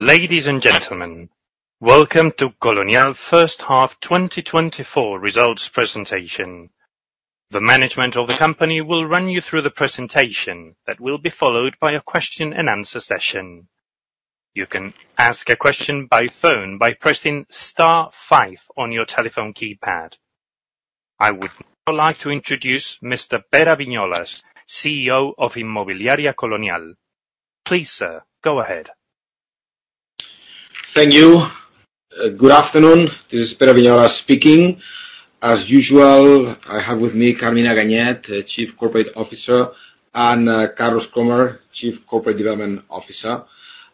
Ladies and gentlemen, welcome to Colonial first half 2024 results presentation. The management of the company will run you through the presentation, that will be followed by a question and answer session. You can ask a question by phone by pressing star five on your telephone keypad. I would now like to introduce Mr. Pere Viñolas, CEO of Inmobiliaria Colonial. Please, sir, go ahead. Thank you. Good afternoon. This is Pere Viñolas speaking. As usual, I have with me Carmina Ganyet, the Chief Corporate Officer, and Carlos Krohmer, Chief Corporate Development Officer.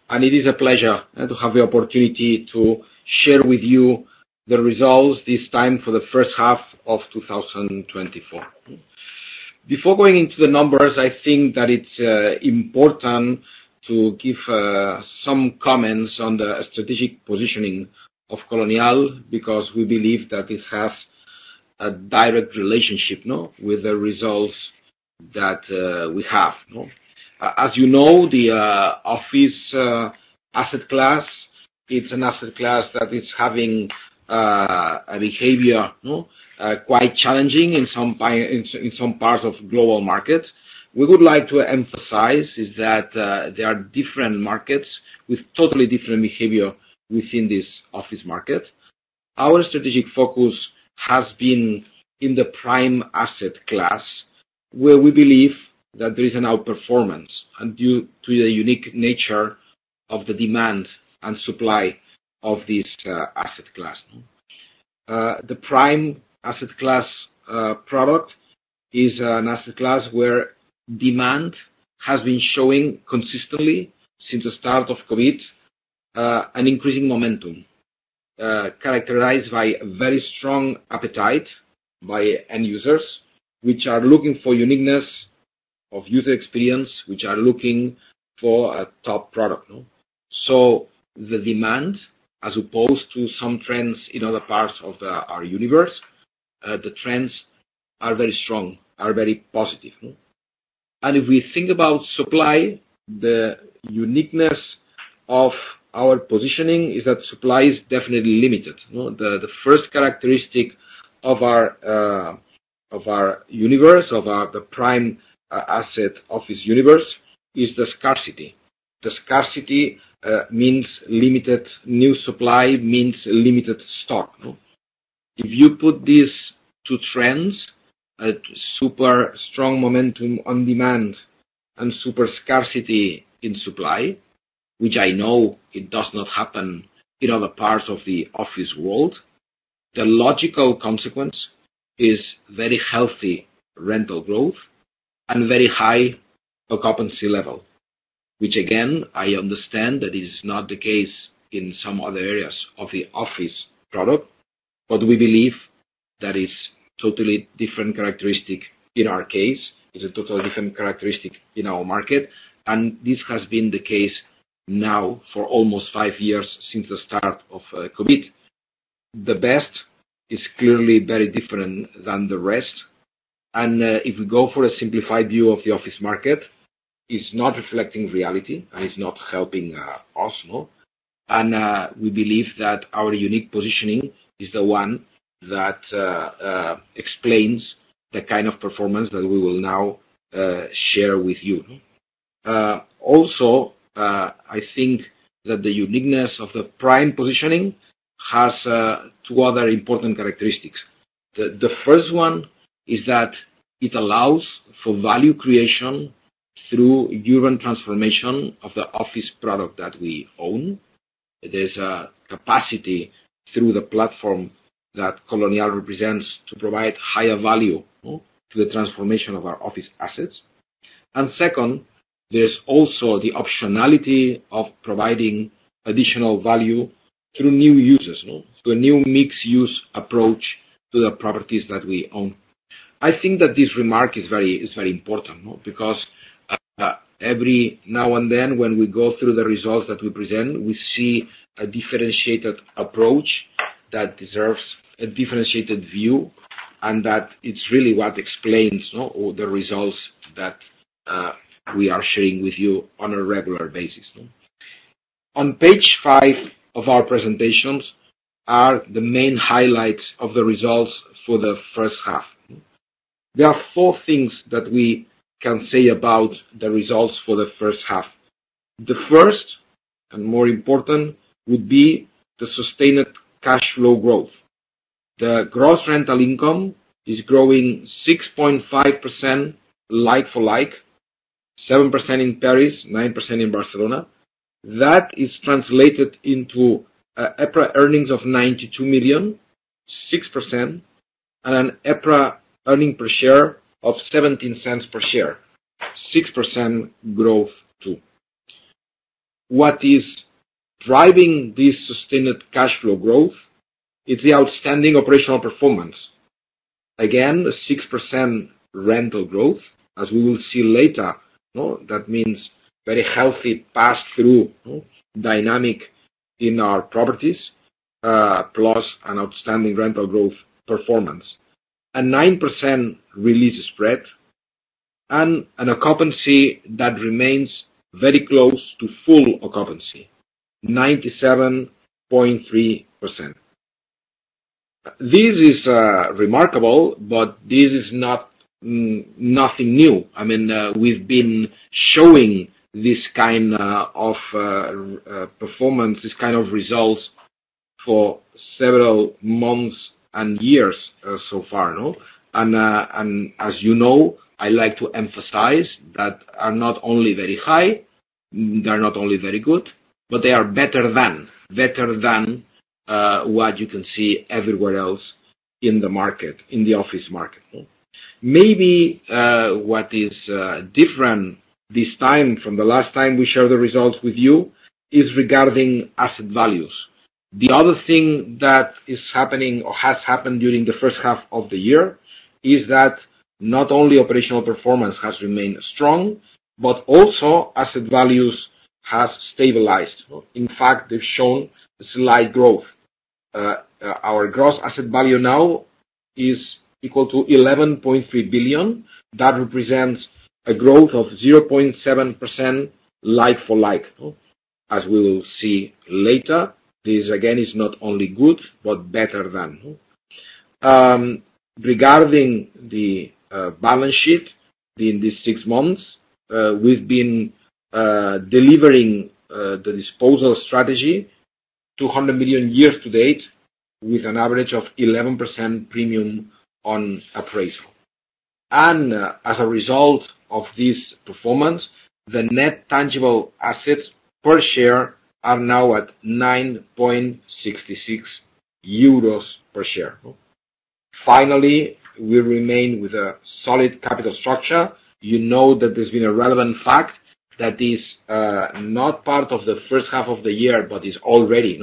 And it is a pleasure to have the opportunity to share with you the results, this time for the first half of 2024. Before going into the numbers, I think that it's important to give some comments on the strategic positioning of Colonial, because we believe that it has a direct relationship, no? With the results that we have, no? As you know, the office asset class, it's an asset class that is having a behavior, no, quite challenging in some in some parts of global markets. We would like to emphasize is that, there are different markets with totally different behavior within this office market. Our strategic focus has been in the prime asset class, where we believe that there is an outperformance and due to the unique nature of the demand and supply of this, asset class. The prime asset class, product is an asset class where demand has been showing consistently since the start of COVID, an increasing momentum, characterized by very strong appetite by end users, which are looking for uniqueness of user experience, which are looking for a top product, no? So the demand, as opposed to some trends in other parts of, our universe, the trends are very strong, are very positive, no. And if we think about supply, the uniqueness of our positioning is that supply is definitely limited, no. The first characteristic of our universe, of our prime asset office universe, is the scarcity. The scarcity means limited new supply, means limited stock. If you put these two trends, a super strong momentum on demand and super scarcity in supply, which I know it does not happen in other parts of the office world, the logical consequence is very healthy rental growth and very high occupancy level. Which again, I understand that is not the case in some other areas of the office product, but we believe that is totally different characteristic in our case. It's a totally different characteristic in our market, and this has been the case now for almost five years since the start of COVID. The best is clearly very different than the rest, and if we go for a simplified view of the office market, it's not reflecting reality and it's not helping us. And we believe that our unique positioning is the one that explains the kind of performance that we will now share with you. Also, I think that the uniqueness of the prime positioning has two other important characteristics. The first one is that it allows for value creation through urban transformation of the office product that we own. There's a capacity through the platform that Colonial represents to provide higher value to the transformation of our office assets. And second, there's also the optionality of providing additional value through new uses through a new mixed-use approach to the properties that we own. I think that this remark is very, is very important, no, because every now and then, when we go through the results that we present, we see a differentiated approach that deserves a differentiated view, and that it's really what explains, no, all the results that we are sharing with you on a regular basis, no. On page five of our presentations are the main highlights of the results for the first half. There are four things that we can say about the results for the first half. The first, and more important, would be the sustained cash flow growth. The gross rental income is growing 6.5% like-for-like, 7% in Paris, 9% in Barcelona. That is translated into EPRA earnings of 92 million, 6%, and an EPRA earning per share of 0.17 EUR per share, 6% growth too. What is driving this sustained cash flow growth is the outstanding operational performance. Again, a 6% rental growth, as we will see later, that means very healthy pass-through, dynamic in our properties, plus an outstanding rental growth performance. A 9% re-lease spread and an occupancy that remains very close to full occupancy, 97.3%. This is remarkable, but this is not nothing new. I mean, we've been showing this kind of performance, this kind of results, for several months and years, so far, no? And as you know, I like to emphasize that are not only very high, they're not only very good, but they are better than, better than what you can see everywhere else in the market, in the office market. Maybe, what is different this time from the last time we shared the results with you, is regarding asset values. The other thing that is happening or has happened during the first half of the year, is that not only operational performance has remained strong, but also asset values has stabilized. In fact, they've shown slight growth. Our gross asset value now is equal to 11.3 billion. That represents a growth of 0.7% like-for-like, as we will see later, this, again, is not only good, but better than. Regarding the balance sheet, in these six months, we've been delivering the disposal strategy, 200 million year to date, with an average of 11% premium on appraisal. As a result of this performance, the net tangible assets per share are now at 9.66 euros per share. Finally, we remain with a solid capital structure. You know that there's been a relevant fact that is not part of the first half of the year, but is already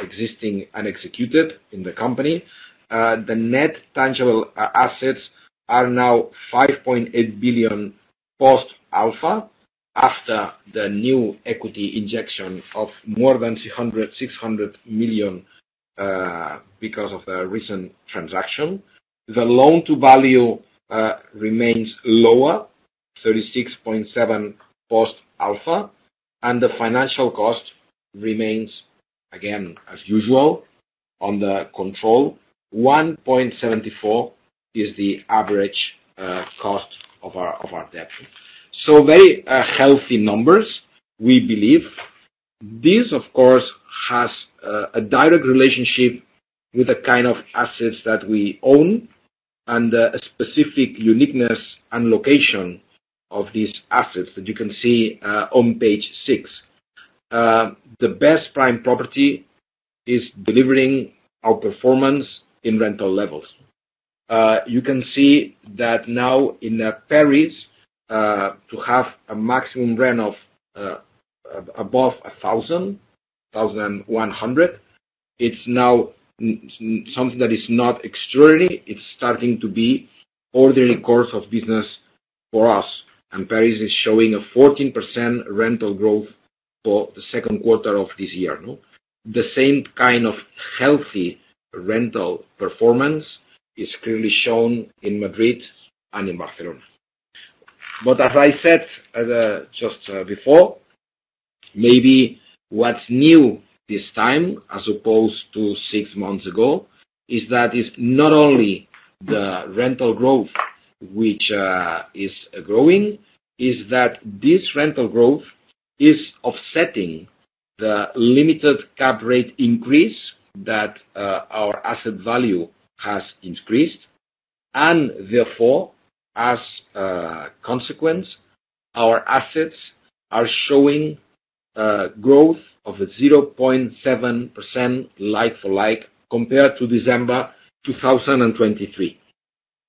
existing and executed in the company. The net tangible assets are now 5.8 billion post Alpha, after the new equity injection of more than 600 million because of the recent transaction. The loan-to-value remains lower, 36.7% post Alpha, and the financial cost remains, again, as usual, under control. 1.74% is the average cost of our debt. So very healthy numbers, we believe. This, of course, has a direct relationship with the kind of assets that we own, and the specific uniqueness and location of these assets that you can see on page six. The best prime property is delivering our performance in rental levels. You can see that now in Paris to have a maximum rent of above 1,100, it's now something that is not extraordinary. It's starting to be ordinary course of business for us, and Paris is showing a 14% rental growth for the second quarter of this year, no? The same kind of healthy rental performance is clearly shown in Madrid and in Barcelona. But as I said, just before, maybe what's new this time, as opposed to six months ago, is that it's not only the rental growth which is growing, is that this rental growth is offsetting the limited cap rate increase that our asset value has increased. And therefore, as a consequence, our assets are showing growth of 0.7% like-for-like, compared to December 2023.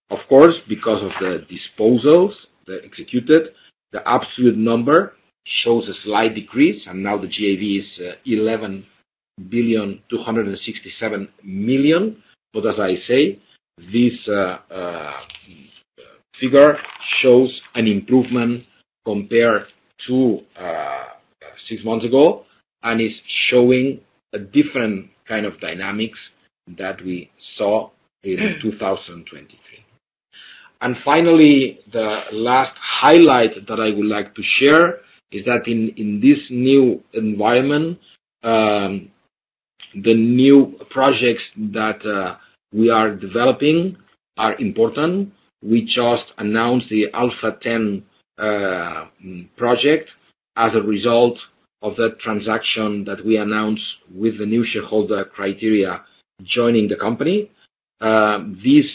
Of course, because of the disposals they executed, the absolute number shows a slight decrease, and now the GAV is 11,267 million. But as I say, this figure shows an improvement compared to six months ago, and is showing a different kind of dynamics that we saw in 2023. And finally, the last highlight that I would like to share is that in this new environment, the new projects that we are developing are important. We just announced the Alpha X project as a result of the transaction that we announced with the new shareholder Criteria joining the company. These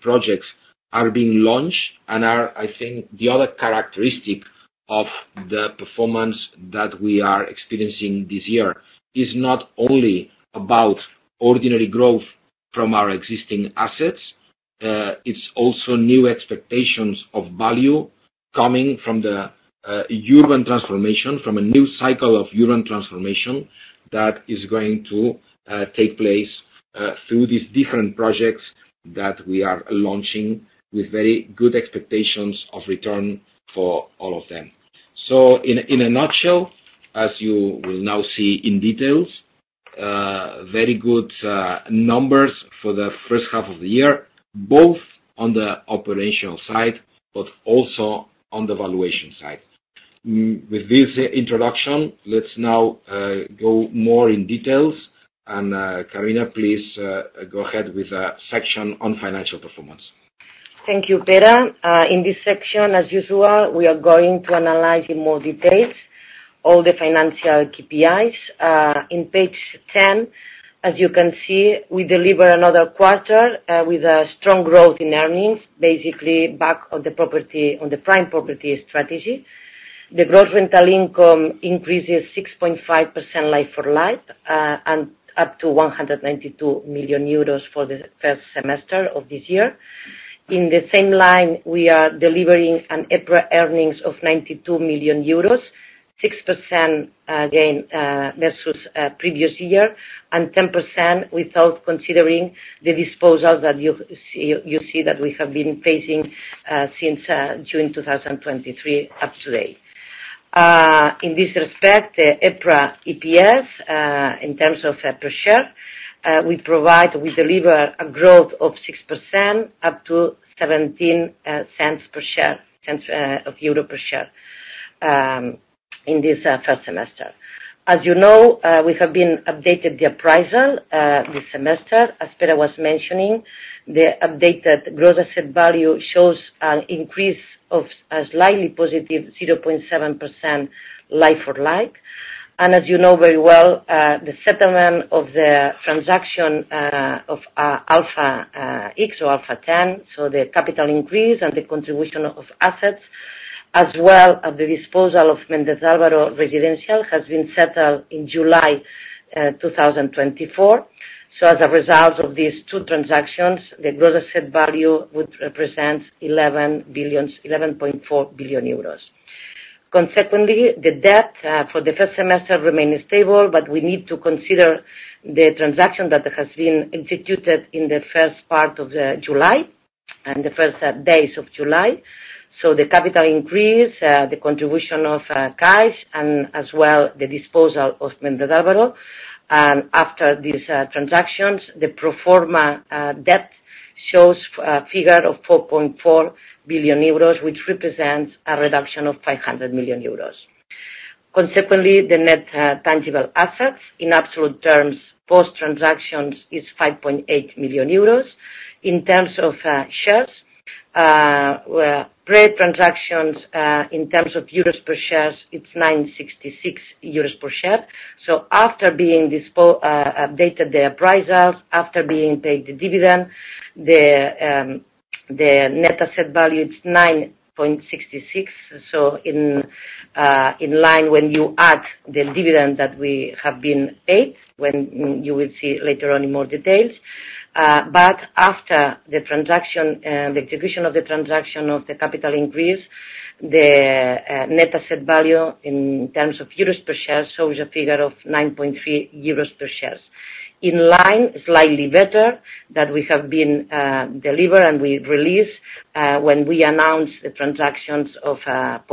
projects are being launched and are... I think the other characteristic of the performance that we are experiencing this year is not only about ordinary growth from our existing assets, it's also new expectations of value coming from the urban transformation, from a new cycle of urban transformation, that is going to take place through these different projects that we are launching with very good expectations of return for all of them. So in a nutshell, as you will now see in details-... Very good numbers for the first half of the year, both on the operational side, but also on the valuation side. With this introduction, let's now go more in details. Carmina, please, go ahead with the section on financial performance. Thank you, Pedro. In this section, as usual, we are going to analyze in more details all the financial KPIs. In page 10, as you can see, we deliver another quarter with a strong growth in earnings, basically back on the property, on the prime property strategy. The gross rental income increases 6.5% like-for-like, and up to 192 million euros for the first semester of this year. In the same line, we are delivering an EPRA earnings of 92 million euros, 6% gain versus previous year, and 10% without considering the disposals that you see, you see that we have been facing since June 2023 up to date. In this respect, the EPRA EPS, in terms of per share, we provide... We deliver a growth of 6% up to 17 cents per share, cents of euro per share, in this first semester. As you know, we have been updated the appraisal this semester. As Pedro was mentioning, the updated gross asset value shows an increase of a slightly +0.7% like-for-like. And as you know very well, the settlement of the transaction of Alpha X or Alpha 10, so the capital increase and the contribution of assets, as well as the disposal of Méndez Álvaro Residential, has been settled in July 2024. So as a result of these two transactions, the gross asset value would represent 11 billion, 11.4 billion euros. Consequently, the debt for the first semester remained stable, but we need to consider the transaction that has been instituted in the first part of July, and the first days of July. The capital increase, the contribution of cash, and as well, the disposal of Méndez Álvaro. After these transactions, the pro forma debt shows a figure of 4.4 billion euros, which represents a reduction of 500 million euros. Consequently, the net tangible assets, in absolute terms, post-transaction, is 5.8 million euros. In terms of shares, we're pre-transaction, in terms of euros per share, it's 9.66 euros per share. After being updated the appraisals, after being paid the dividend, the net asset value, it's 9.66. In line, when you add the dividend that we have been paid, you will see later on in more details. But after the transaction, the execution of the transaction of the capital increase, the net asset value in terms of euros per share shows a figure of 9.3 euros per share. In line, slightly better, that we have been delivered and we released, when we announced the transaction of Alpha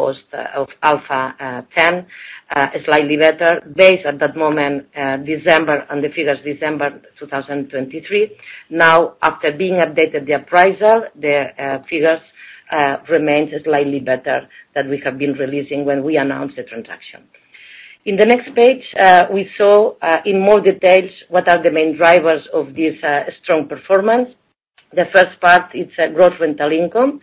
X. Slightly better, based at that moment, December, on the figures, December 2023. Now, after being updated, the appraisal, the figures remains slightly better than we have been releasing when we announced the transaction. In the next page, we saw in more details, what are the main drivers of this strong performance. The first part, it's a growth rental income,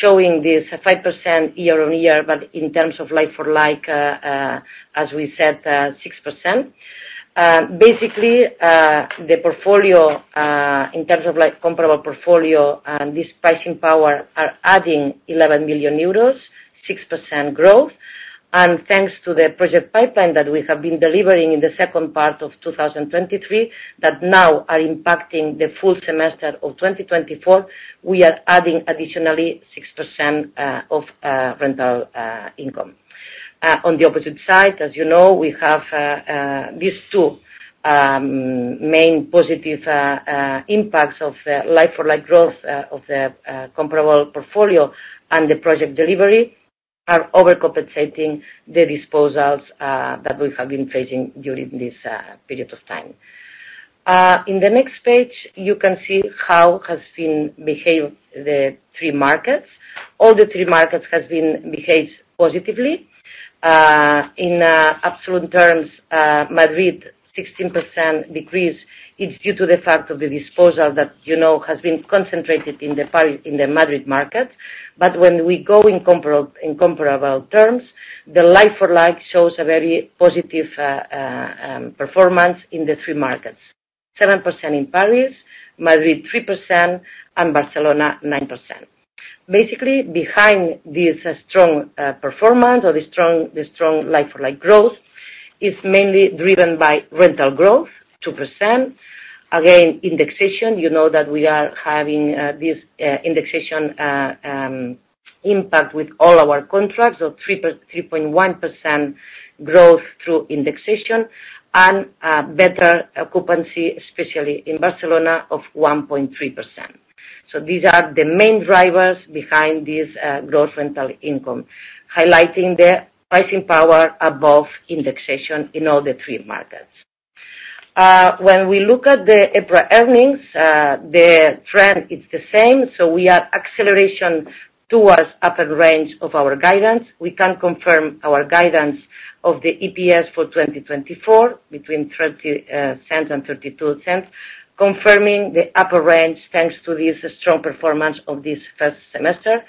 showing this 5% year-on-year, but in terms of like-for-like, as we said, basically, the portfolio, in terms of, like, comparable portfolio and this pricing power, are adding 11 billion euros, 6% growth. And thanks to the project pipeline that we have been delivering in the second part of 2023, that now are impacting the full semester of 2024, we are adding additionally 6%, of, rental, income. On the opposite side, as you know, we have, these two, main positive, impacts of the like-for-like growth, of the, comparable portfolio and the project delivery are overcompensating the disposals, that we have been facing during this, period of time. In the next page, you can see how has been behaved the three markets. All the three markets has been behaved positively. In absolute terms, Madrid, 16% decrease, it's due to the fact of the disposal that, you know, has been concentrated in the Paris—in the Madrid market. But when we go in comparab—in comparable terms, the like-for-like shows a very positive performance in the three markets. 7% in Paris, Madrid 3%, and Barcelona, 9%. Basically, behind this strong performance or the strong, the strong like-for-like growth, is mainly driven by rental growth, 2%. Again, indexation, you know that we are having this indexation impact with all our contracts, so 3.1% growth through indexation, and better occupancy, especially in Barcelona, of 1.3%. So these are the main drivers behind this, growth rental income, highlighting the pricing power above indexation in all the three markets. When we look at the EPRA earnings, the trend is the same, so we have acceleration towards upper range of our guidance. We can confirm our guidance of the EPS for 2024, between 0.30 and 0.32, confirming the upper range, thanks to this strong performance of this first semester.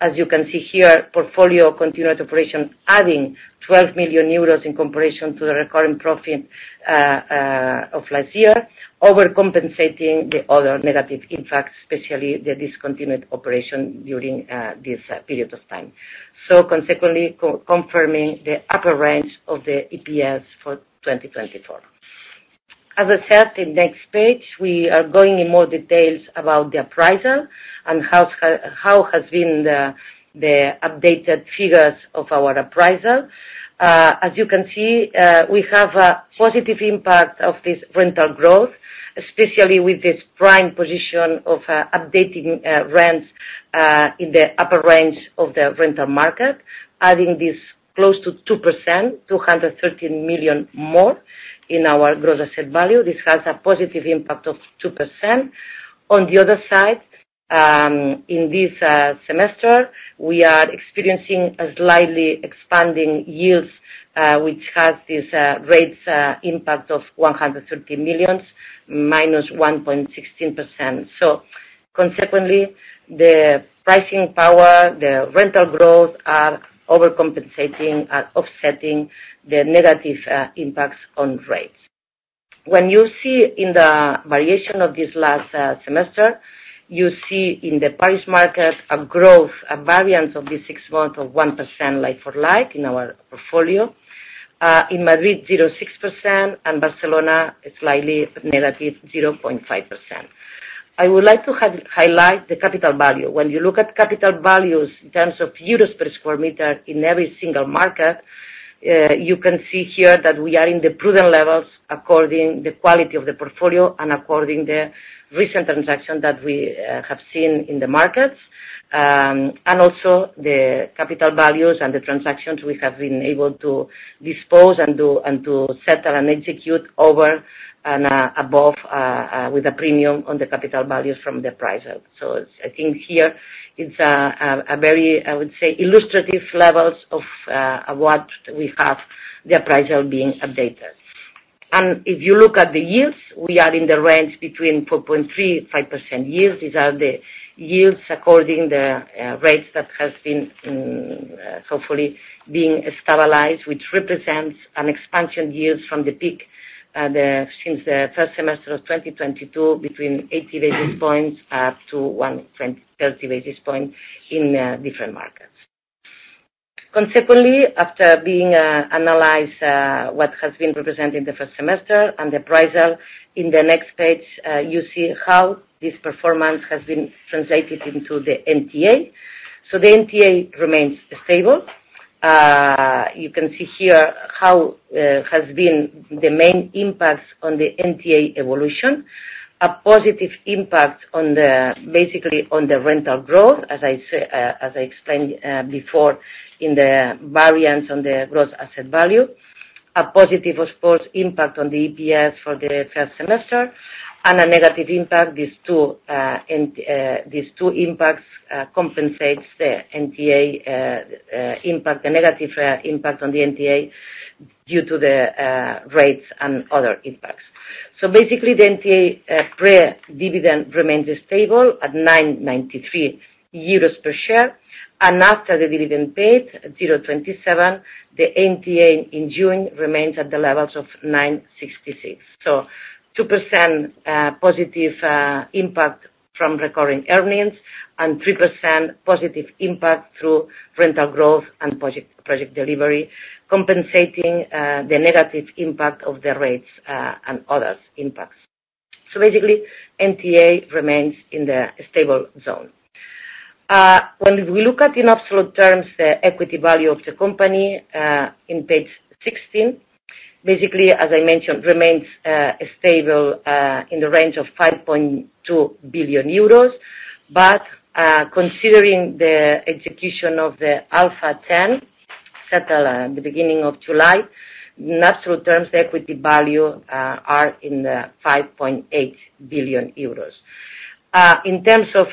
As you can see here, portfolio continued operation, adding 12 million euros in comparison to the recurring profit, of last year, overcompensating the other negative impacts, especially the discontinued operation during this period of time. So consequently, confirming the upper range of the EPS for 2024. As I said, on the next page, we are going into more details about the appraisal and how the updated figures of our appraisal have been. As you can see, we have a positive impact of this rental growth, especially with this prime position of updating rents in the upper range of the rental market, adding close to 2%, 213 million more in our gross asset value. This has a positive impact of 2%. On the other side, in this semester, we are experiencing slightly expanding yields, which has this rates impact of 130 million, -1.16%. So consequently, the pricing power, the rental growth, are overcompensating and offsetting the negative impacts on rates. When you see in the variation of this last semester, you see in the Paris market, a growth, a variance of the six months of 1% like-for-like in our portfolio. In Madrid, 0.6%, and Barcelona, slightly negative, 0.5%. I would like to highlight the capital value. When you look at capital values in terms of euros per sq m in every single market, you can see here that we are in the prudent levels, according the quality of the portfolio and according the recent transaction that we have seen in the markets. And also the capital values and the transactions we have been able to dispose and to settle and execute over and with a premium on the capital values from the appraisal. I think here, it's a very illustrative levels of what we have the appraisal being updated. If you look at the yields, we are in the range between 4.3%-5% yields. These are the yields according the rates that has been hopefully being stabilized, which represents an expansion yields from the peak since the first semester of 2022, between 80 basis points up to 130 basis points in different markets. Consequently, after being analyzed what has been represented in the first semester and the appraisal, in the next page you see how this performance has been translated into the NTA. The NTA remains stable. You can see here how has been the main impacts on the NTA evolution. A positive impact on the basically on the rental growth, as I say, as I explained, before in the variance on the gross asset value. A positive, of course, impact on the EPS for the first semester, and a negative impact, these two impacts compensates the NTA impact, the negative impact on the NTA due to the rates and other impacts. So basically, the NTA pre-dividend remains stable at 993 euros per share, and after the dividend paid, 0.27, the NTA in June remains at the levels of 966. So 2%+ impact from recurring earnings and 3%+ impact through rental growth and project delivery, compensating the negative impact of the rates and other impacts. So basically, NTA remains in the stable zone. When we look at in absolute terms, the equity value of the company, in page 16, basically, as I mentioned, remains stable in the range of 5.2 billion euros. But considering the execution of the Alpha X, set at the beginning of July, natural terms equity value are in the 5.8 billion euros. In terms of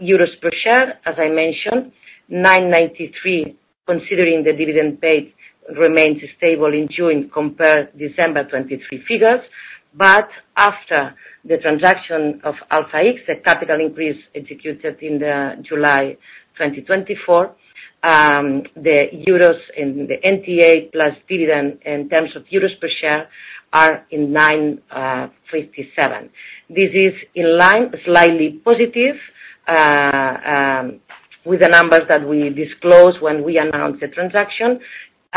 euros per share, as I mentioned, 9.93, considering the dividend paid, remains stable in June compared December 2023 figures. But after the transaction of Alpha X, the capital increase executed in the July 2024, the euros and the NTA plus dividend in terms of euros per share are in 9.57. This is in line, slightly positive, with the numbers that we disclosed when we announced the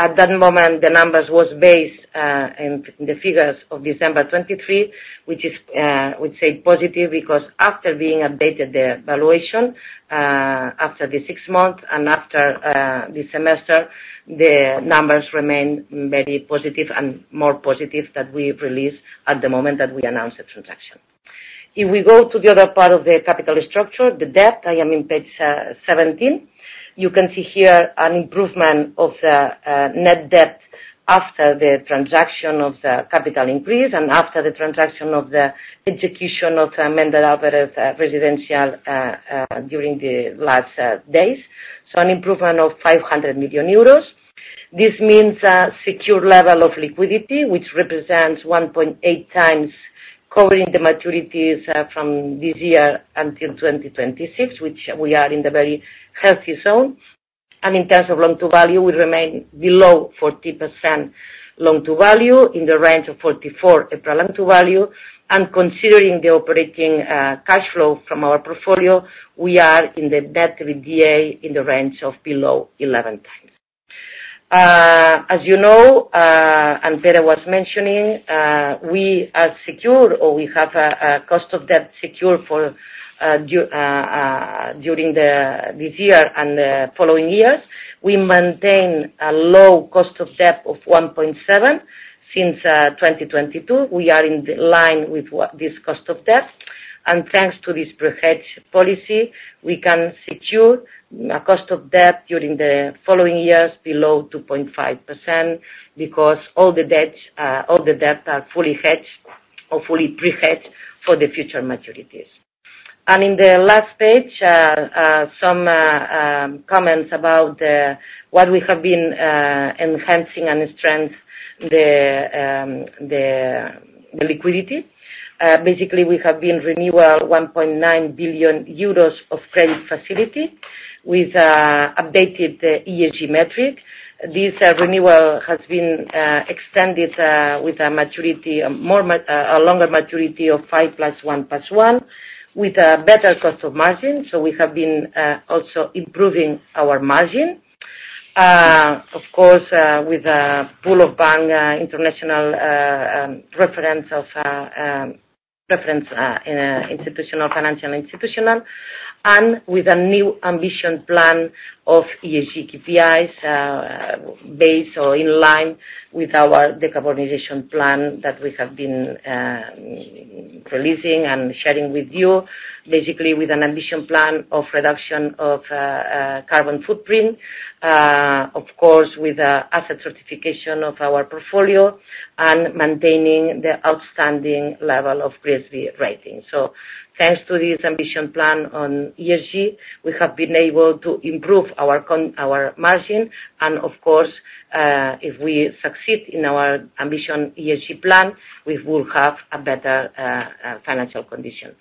transaction. At that moment, the numbers was based in the figures of December 2023, which is, I would say, positive, because after being updated, the valuation, after the six months and after, the semester, the numbers remain very positive and more positive that we released at the moment that we announced the transaction. If we go to the other part of the capital structure, the debt, I am in page 17. You can see here an improvement of the, net debt after the transaction of the capital increase and after the transaction of the execution of, Méndez Álvaro residential, during the last, days. So an improvement of 500 million euros. This means a secure level of liquidity, which represents 1.8 times covering the maturities from this year until 2026, which we are in the very healthy zone. In terms of loan-to-value, we remain below 40% loan-to-value, in the range of 34% loan-to-value. Considering the operating cash flow from our portfolio, we are in the debt to EBITDA in the range of below 11x. As you know, and Pere was mentioning, we are secure, or we have a cost of debt secured for during this year and the following years. We maintain a low cost of debt of 1.7%. Since 2022, we are in line with what this cost of debt. Thanks to this pre-hedge policy, we can secure a cost of debt during the following years below 2.5%, because all the debts, all the debt are fully hedged or fully pre-hedged for the future maturities. In the last page, some comments about what we have been enhancing and strengthen the liquidity. Basically, we have been renewal 1.9 billion euros of credit facility with updated ESG metric. This renewal has been extended with a maturity, a longer maturity of five + one + one, with a better cost of margin. So we have been also improving our margin. Of course, with a pool of international banks of reference in institutional, financial institutions, and with a new ambition plan of ESG KPIs, based or in line with our decarbonization plan that we have been releasing and sharing with you, basically, with an ambition plan of reduction of carbon footprint, of course, with a asset certification of our portfolio and maintaining the outstanding level of GRESB rating. So thanks to this ambition plan on ESG, we have been able to improve our margin, and of course, if we succeed in our ambition ESG plan, we will have a better financial condition.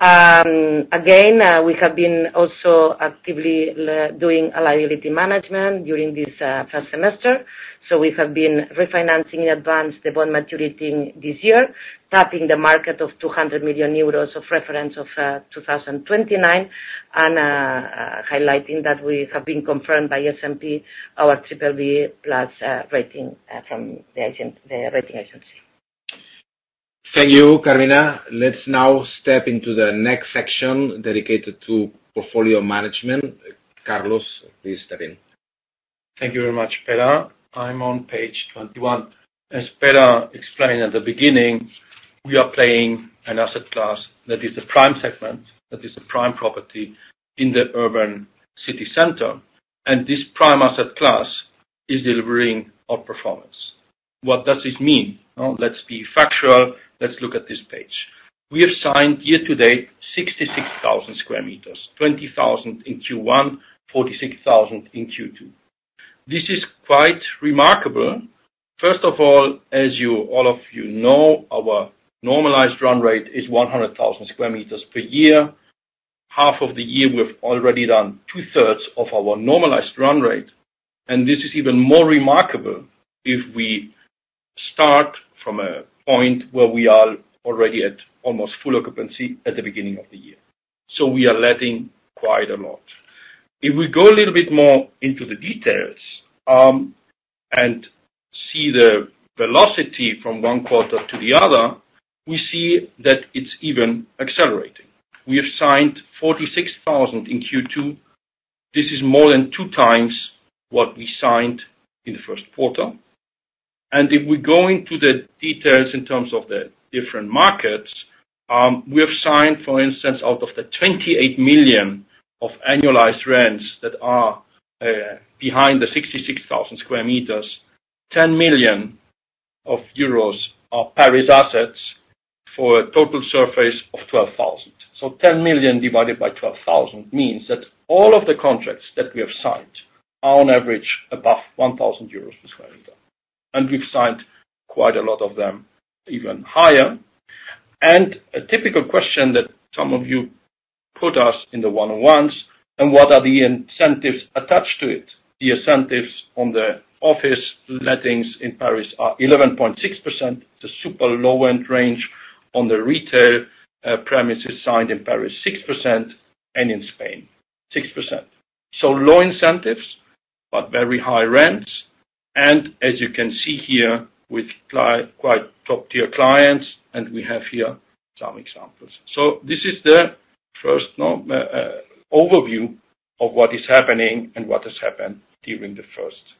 Again, we have been also actively doing a liability management during this first semester. So we have been refinancing in advance the bond maturity this year, tapping the market of 200 million euros of reference of 2029, and highlighting that we have been confirmed by SMB our BBB+ rating from the agency, the rating agency. Thank you, Carmina. Let's now step into the next section dedicated to portfolio management. Carlos, please step in. Thank you very much, Pere. I'm on page 21. As Pere explained at the beginning, we are playing an asset class that is a prime segment, that is a prime property in the urban city center, and this prime asset class is delivering our performance. What does this mean? Well, let's be factual. Let's look at this page. We have signed year-to-date, 66,000 sq m, 20,000 in Q1, 46,000 in Q2. This is quite remarkable. First of all, as you, all of you know, our normalized run rate is 100,000 sq m per year. Half of the year, we've already done two-thirds of our normalized run rate, and this is even more remarkable if we start from a point where we are already at almost full occupancy at the beginning of the year. So we are letting quite a lot. If we go a little bit more into the details, and see the velocity from one quarter to the other, we see that it's even accelerating. We have signed 46,000 in Q2. This is more than 2 times what we signed in the first quarter. And if we go into the details in terms of the different markets, we have signed, for instance, out of the 28 million of annualized rents that are behind the 66,000 sq m, 10 million euros are Paris assets for a total surface of 12,000. So 10 million divided by 12,000 means that all of the contracts that we have signed are on average above 1,000 euros per sq m, and we've signed quite a lot of them even higher. A typical question that some of you put us in the one-on-ones, and what are the incentives attached to it? The incentives on the office lettings in Paris are 11.6%, the super low-end range on the retail premises signed in Paris, 6%, and in Spain, 6%. So low incentives, but very high rents, and as you can see here, with quite top-tier clients, and we have here some examples. So this is the first overview of what is happening and what has happened during the first half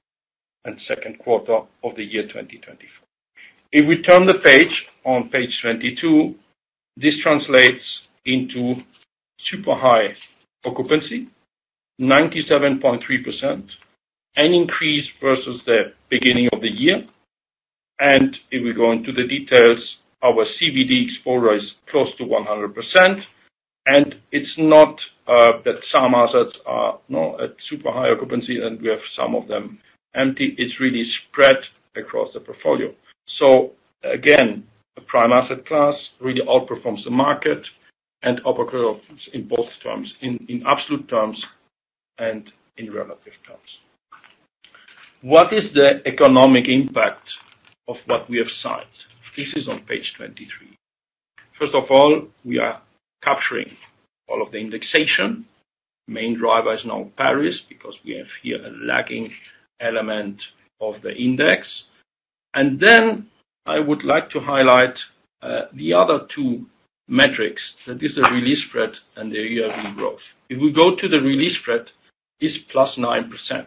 and second quarter of the year, 2024. If we turn the page, on page 22, this translates into super high occupancy, 97.3%, an increase versus the beginning of the year. And if we go into the details, our CBD exposure is close to 100%. And it's not that some assets are, no, at super high occupancy, and we have some of them empty. It's really spread across the portfolio. So again, the prime asset class really outperforms the market, and outperforms in both terms, in absolute terms and in relative terms. What is the economic impact of what we have signed? This is on page 23. First of all, we are capturing all of the indexation. Main driver is now Paris, because we have here a lagging element of the index. And then I would like to highlight the other two metrics, that is the re-lease spread and the year-end growth. If we go to the re-lease spread, it's +9%.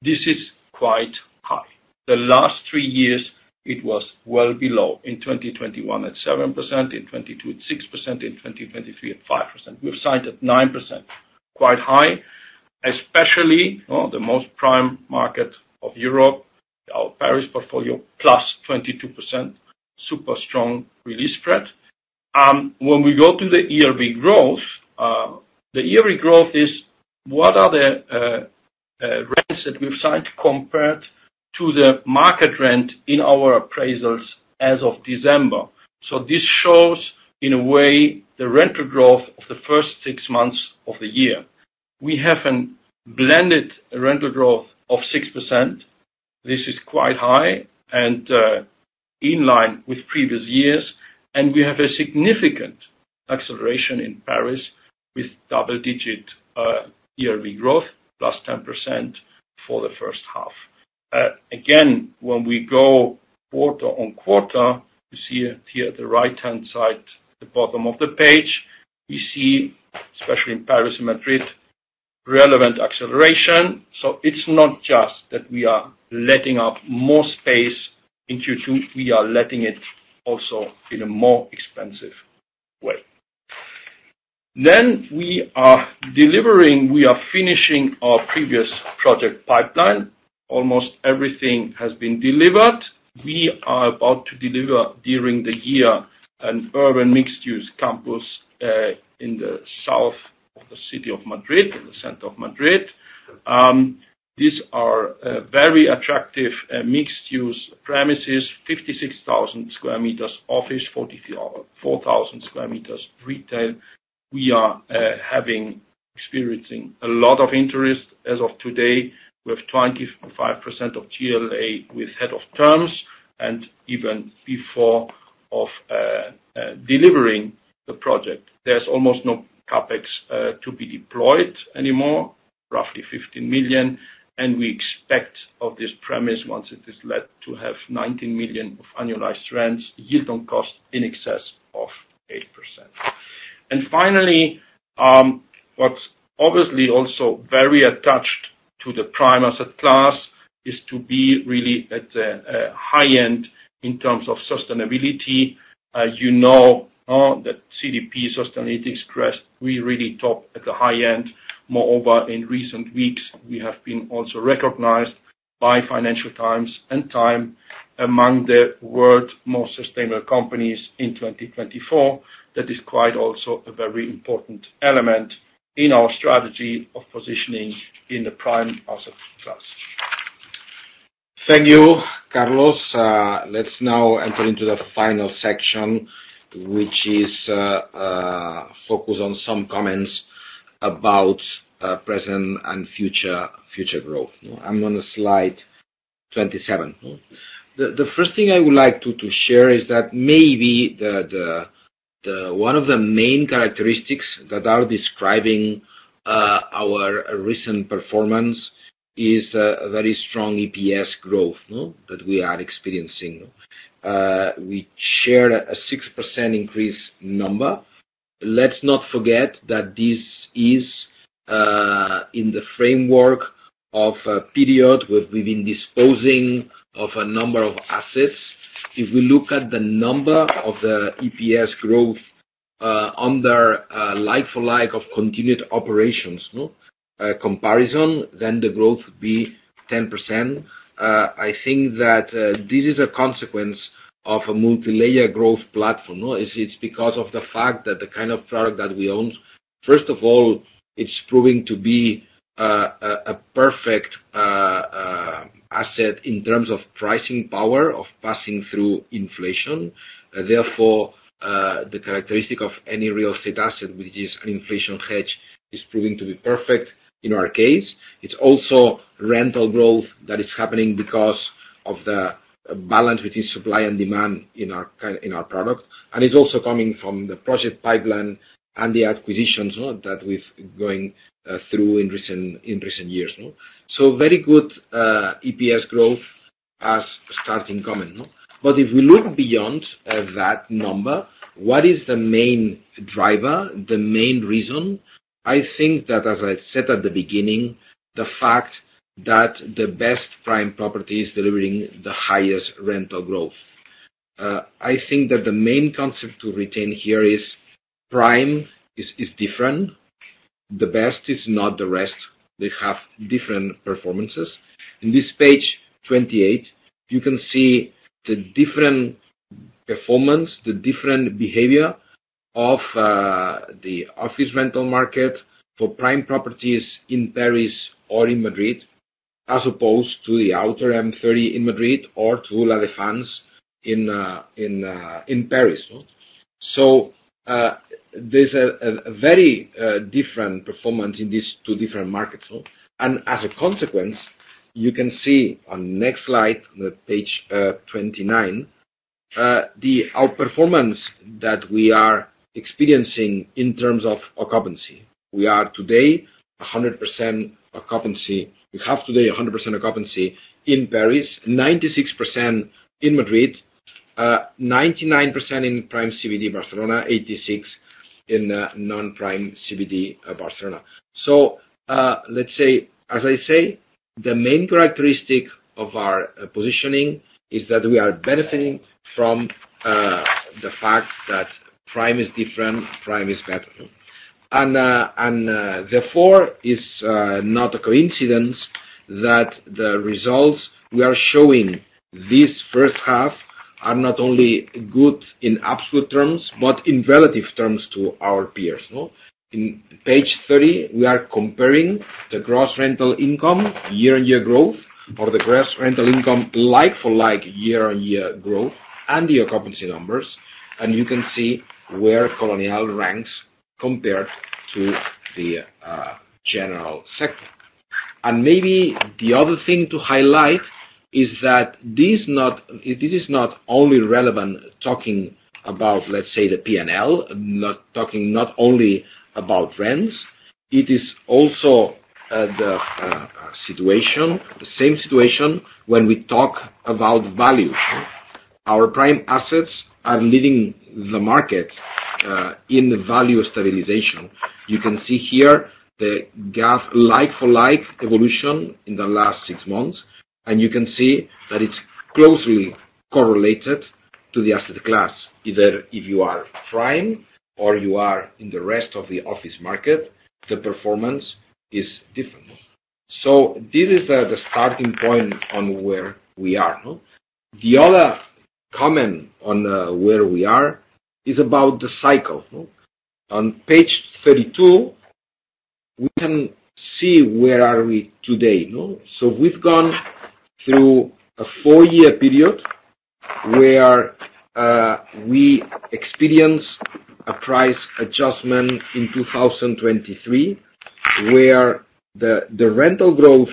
This is quite high. The last three years, it was well below. In 2021, at 7%, in 2022, at 6%, in 2023, at 5%. We've signed at 9%, quite high, especially, the most prime market of Europe, our Paris portfolio, +22%, super strong re-lease spread. When we go to the year-end growth, the year-end growth is what are the rents that we've signed compared to the market rent in our appraisals as of December? So this shows, in a way, the rental growth of the first six months of the year. We have a blended rental growth of 6%. This is quite high and, in line with previous years, and we have a significant acceleration in Paris, with double-digit, year-end growth, +10% for the first half. Again, when we go quarter-on-quarter, you see it here at the right-hand side, the bottom of the page. We see, especially in Paris and Madrid, relevant acceleration. So it's not just that we are letting up more space in Q2, we are letting it also in a more expensive way. Then we are delivering, we are finishing our previous project pipeline. Almost everything has been delivered. We are about to deliver, during the year, an urban mixed-use campus in the south of the city of Madrid, in the center of Madrid. These are very attractive mixed-use premises, 56,000 sq m office, 44,000 sq m retail. We are experiencing a lot of interest. As of today, we have 25% of GLA with head of terms, and even before of delivering the project, there's almost no CapEx to be deployed anymore, roughly 15 million. And we expect of this premise, once it is let to have 19 million of annualized rents, yield on cost in excess of 8%. And finally, what's obviously also very attached to the prime asset class is to be really at the high end in terms of sustainability. As you know, that CDP Sustainability Express, we really top at the high end. Moreover, in recent weeks, we have been also recognized by Financial Times and TIME among the world's most sustainable companies in 2024. That is quite also a very important element in our strategy of positioning in the prime asset class. Thank you, Carlos. Let's now enter into the final section, which is focused on some comments about present and future growth. I'm on slide 27. The first thing I would like to share is that maybe one of the main characteristics that are describing our recent performance is a very strong EPS growth that we are experiencing. We shared a 6% increase number. Let's not forget that this is in the framework of a period where we've been disposing of a number of assets. If we look at the number of the EPS growth under like-for-like of continued operations comparison, then the growth would be 10%. I think that this is a consequence of a multilayer growth platform. It's because of the fact that the kind of product that we own, first of all, it's proving to be a perfect asset in terms of pricing power, of passing through inflation. Therefore, the characteristic of any real estate asset, which is an inflation hedge, is proving to be perfect in our case. It's also rental growth that is happening because of the balance between supply and demand in our product. And it's also coming from the project pipeline and the acquisitions that we've been going through in recent years, no? So very good EPS growth as starting comment, no? But if we look beyond that number, what is the main driver, the main reason? I think that, as I said at the beginning, the fact that the best prime property is delivering the highest rental growth. I think that the main concept to retain here is prime is different. The best is not the rest. They have different performances. In this page 28, you can see the different performance, the different behavior of the office rental market for prime properties in Paris or in Madrid, as opposed to the outer M30 in Madrid or to La Défense in Paris. So, there's a very different performance in these two different markets. And as a consequence, you can see on next slide, the page 29, the outperformance that we are experiencing in terms of occupancy. We are today 100% occupancy. We have today 100% occupancy in Paris, 96% in Madrid, 99% in prime CBD Barcelona, 86% in non-prime CBD Barcelona. So, let's say, as I say, the main characteristic of our positioning is that we are benefiting from the fact that prime is different, prime is better. And, and, therefore, is not a coincidence that the results we are showing this first half are not only good in absolute terms, but in relative terms to our peers, no? In page 30, we are comparing the gross rental income year-on-year growth, or the gross rental income like-for-like year-on-year growth and the occupancy numbers. And you can see where Colonial ranks compared to the general sector. And maybe the other thing to highlight is that this not, it is not only relevant talking about, let's say, the P&L, not... Talking not only about rents, it is also the situation, the same situation when we talk about value. Our prime assets are leading the market in value stabilization. You can see here the gap, like-for-like evolution in the last six months, and you can see that it's closely correlated to the asset class. Either if you are prime or you are in the rest of the office market, the performance is different. So this is the starting point on where we are, no? The other comment on where we are is about the cycle, no? On page 32, we can see where are we today, no? So we've gone through a four-year period, where we experienced a price adjustment in 2023, where the rental growth,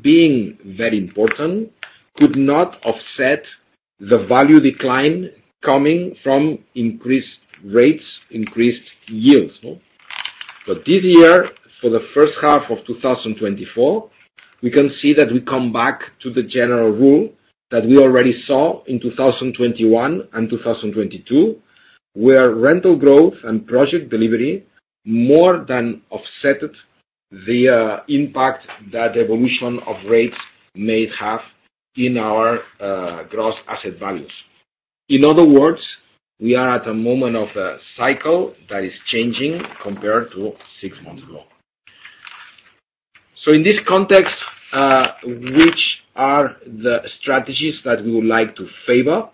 being very important, could not offset the value decline coming from increased rates, increased yields, no? But this year, for the first half of 2024, we can see that we come back to the general rule that we already saw in 2021 and 2022, where rental growth and project delivery more than offset it, the impact that evolution of rates may have in our gross asset values. In other words, we are at a moment of the cycle that is changing compared to six months ago. So in this context, which are the strategies that we would like to favor?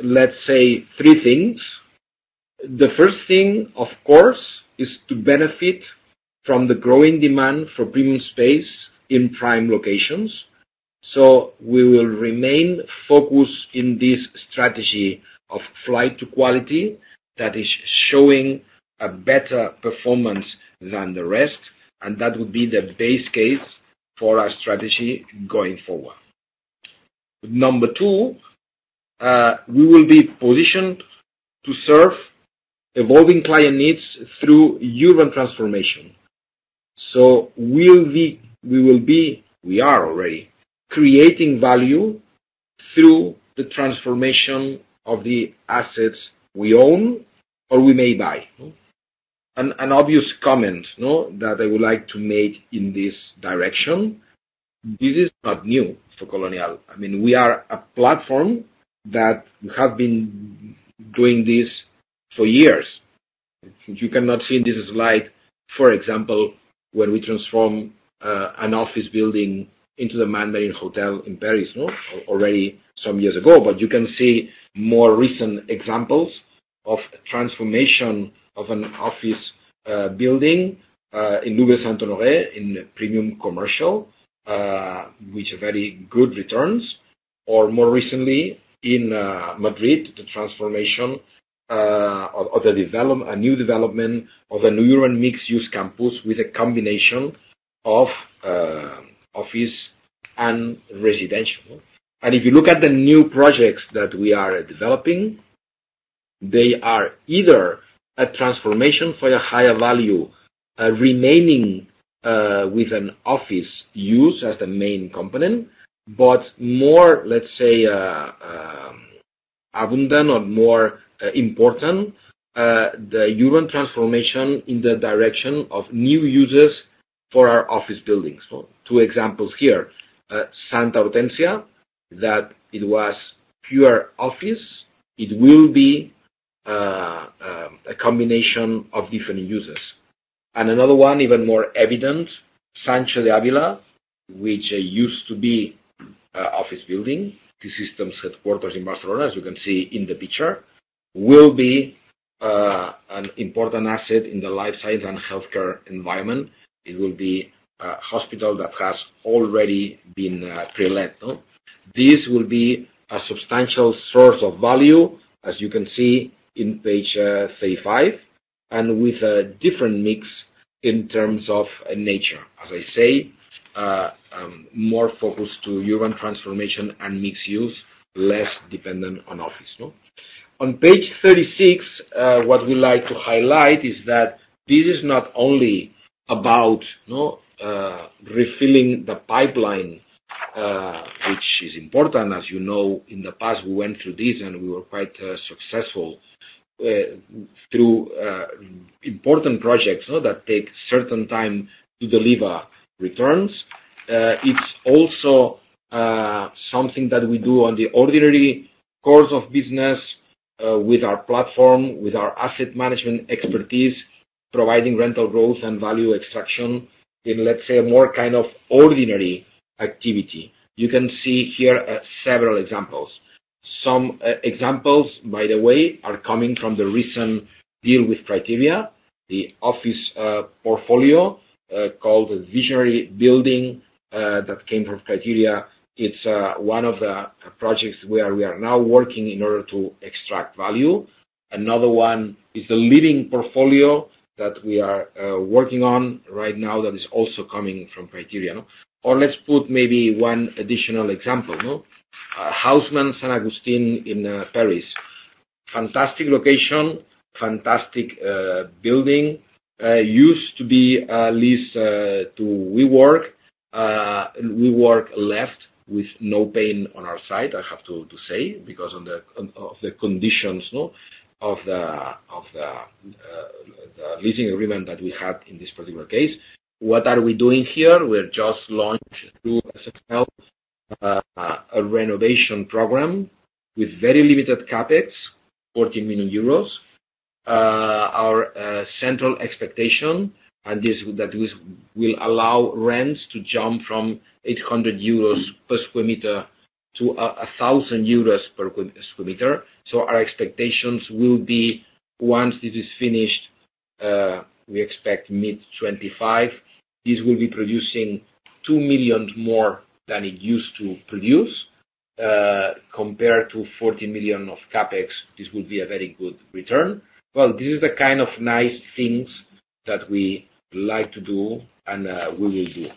Let's say three things. The first thing, of course, is to benefit from the growing demand for premium space in prime locations. So we will remain focused in this strategy of flight to quality that is showing a better performance than the rest, and that would be the base case for our strategy going forward. Number two, we will be positioned to serve evolving client needs through urban transformation. So we will be, we are already, creating value through the transformation of the assets we own or we may buy. An obvious comment, no? That I would like to make in this direction, this is not new for Colonial. I mean, we are a platform that have been doing this for years. You cannot see in this slide, for example, when we transform an office building into the Mandarin Oriental in Paris, no? Already some years ago, but you can see more recent examples of transformation of an office building in Rue Saint-Honoré in premium commercial, which are very good returns, or more recently in Madrid, the transformation of a new development of a new urban mixed-use campus with a combination of office and residential. And if you look at the new projects that we are developing. They are either a transformation for a higher value, remaining with an office use as the main component, but more, let's say, abundant or more important, the urban transformation in the direction of new users for our office buildings. So two examples here. Santa Hortensia, that it was pure office, it will be a combination of different users. Another one, even more evident, Sancho de Ávila, which used to be an office building, the T-Systems headquarters in Barcelona, as you can see in the picture, will be an important asset in the life science and healthcare environment. It will be a hospital that has already been pre-let, no? This will be a substantial source of value, as you can see on page 35, and with a different mix in terms of nature. As I say, more focused to urban transformation and mixed use, less dependent on office, no? On page 36, what we like to highlight is that this is not only about refilling the pipeline, which is important. As you know, in the past, we went through this, and we were quite successful through important projects, no, that take certain time to deliver returns. It's also something that we do on the ordinary course of business with our platform, with our asset management expertise, providing rental growth and value extraction in, let's say, a more kind of ordinary activity. You can see here several examples. Some examples, by the way, are coming from the recent deal with Criteria, the office portfolio called Visionary Building that came from Criteria. It's one of the projects where we are now working in order to extract value. Another one is the leading portfolio that we are working on right now, that is also coming from Criteria, no? Or let's put maybe one additional example, no? Haussmann Saint-Augustin in Paris. Fantastic location, fantastic building. Used to be leased to WeWork. WeWork left with no pain on our side, I have to say, because of the conditions of the leasing agreement that we had in this particular case. What are we doing here? We're just launched through SFL a renovation program with very limited CapEx, 40 million euros. Our central expectation, and this that is, will allow rents to jump from 800 euros per sq m to 1,000 euros per sq m. So our expectations will be, once this is finished, we expect mid-2025, this will be producing 2 million more than it used to produce. Compared to 40 million of CapEx, this will be a very good return. Well, this is the kind of nice things that we like to do and we will do.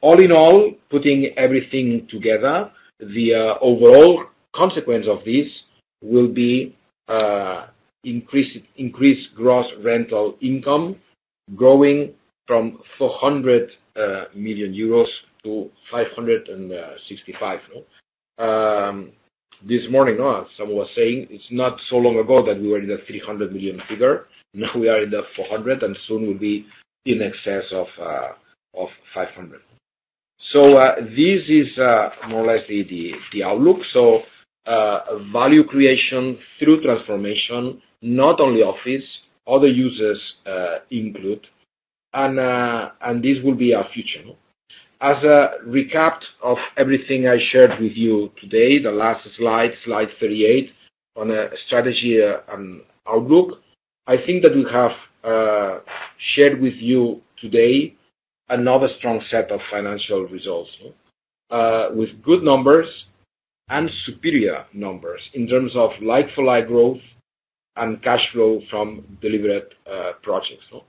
All in all, putting everything together, the overall consequence of this will be increase, increased gross rental income growing from 400 million euros - 565 million, no? This morning someone was saying it's not so long ago that we were in the 300 million figure. Now we are in the 400 million, and soon we'll be in excess of 500 million. So this is more or less the outlook. So value creation through transformation, not only office, other users include, and this will be our future, no? As a recap of everything I shared with you today, the last slide, slide 38, on a strategy and outlook, I think that we have shared with you today another strong set of financial results, with good numbers and superior numbers in terms of like-for-like growth and cash flow from delivered projects, no?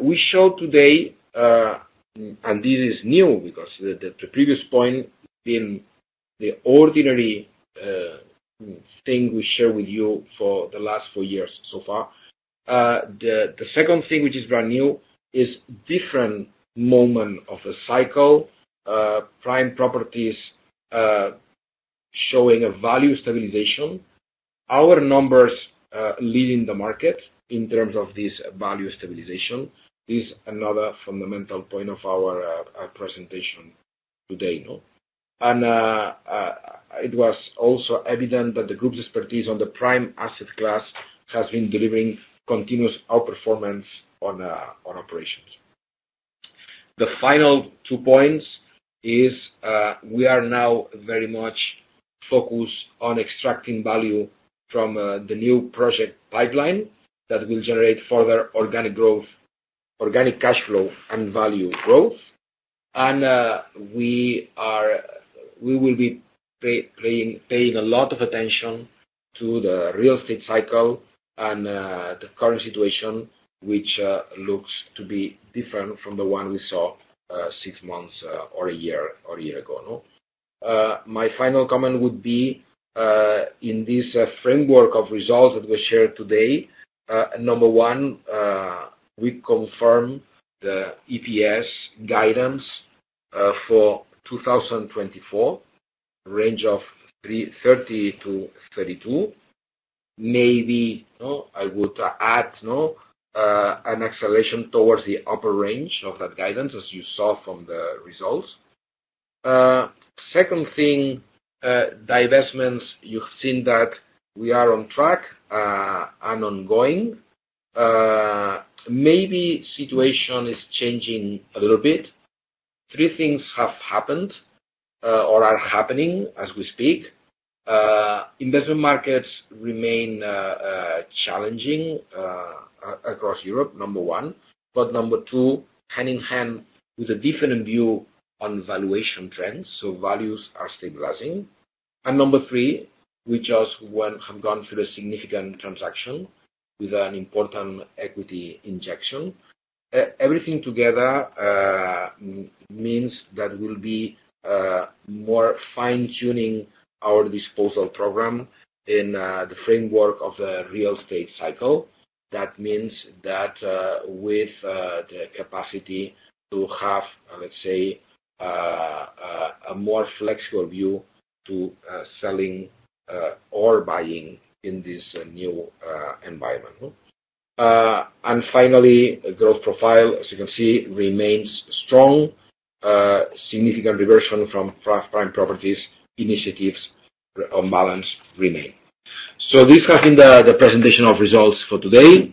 We show today, and this is new because the previous point being the ordinary thing we share with you for the last four years so far. The second thing, which is brand new, is different moment of the cycle, prime properties showing a value stabilization. Our numbers leading the market in terms of this value stabilization is another fundamental point of our presentation today, no? It was also evident that the group's expertise on the prime asset class has been delivering continuous outperformance on operations. The final two points is, we are now very much focused on extracting value from the new project pipeline that will generate further organic growth, organic cash flow and value growth. We will be paying a lot of attention to the real estate cycle and the current situation, which looks to be different from the one we saw six months or a year or a year ago, no? My final comment would be, in this framework of results that we shared today, number one, we confirm the EPS guidance for 2024, range of 3.30-3.32. Maybe, you know, I would add, no, an acceleration towards the upper range of that guidance, as you saw from the results. Second thing, divestments, you've seen that we are on track, and ongoing. Maybe situation is changing a little bit. Three things have happened, or are happening as we speak. Investment markets remain challenging across Europe, number one. But number two, hand in hand with a different view on valuation trends, so values are stabilizing. And number three, we just went, have gone through a significant transaction with an important equity injection. Everything together means that we'll be more fine-tuning our disposal program in the framework of the real estate cycle. That means that, with the capacity to have, let's say, a more flexible view to selling or buying in this new environment. And finally, growth profile, as you can see, remains strong, significant reversion from prime properties, initiatives on balance remain. So this has been the presentation of results for today.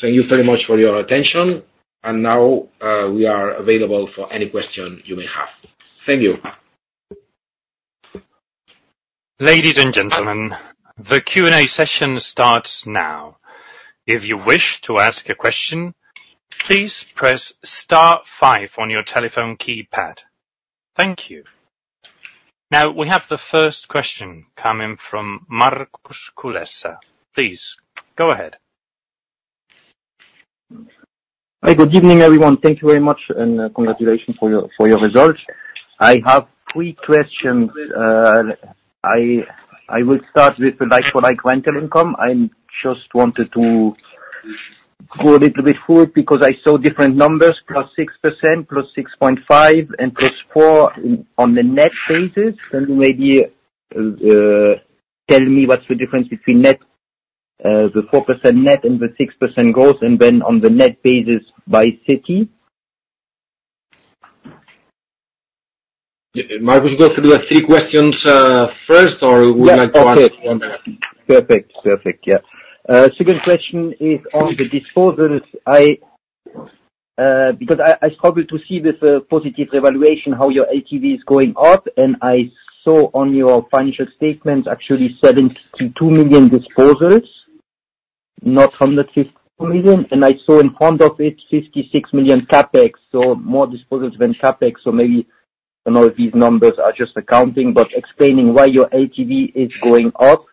Thank you very much for your attention, and now we are available for any question you may have. Thank you. Ladies and gentlemen, the Q&A session starts now. If you wish to ask a question, please press star five on your telephone keypad. Thank you. Now, we have the first question coming from Markus Kuless. Please, go ahead. Hi, good evening, everyone. Thank you very much, and, congratulations for your, for your results. I have three questions. I, I will start with the Like-for-Like rental income. I just wanted to go a little bit through it, because I saw different numbers, +6%, +6.5%, and +4% on the net basis. Can you maybe tell me what's the difference between net, the 4% net and the 6% gross, and then on the net basis by city? Markus, you want to do the three questions first, or would you like to answer one? Perfect. Perfect, yeah. Second question is on the disposals. I, because I, I struggle to see with the positive evaluation, how your ATV is going up, and I saw on your financial statement, actually, 72 million disposals, not 150 million, and I saw in front of it, 56 million CapEx, so more disposals than CapEx. So maybe, you know, these numbers are just accounting, but explaining why your ATV is going up,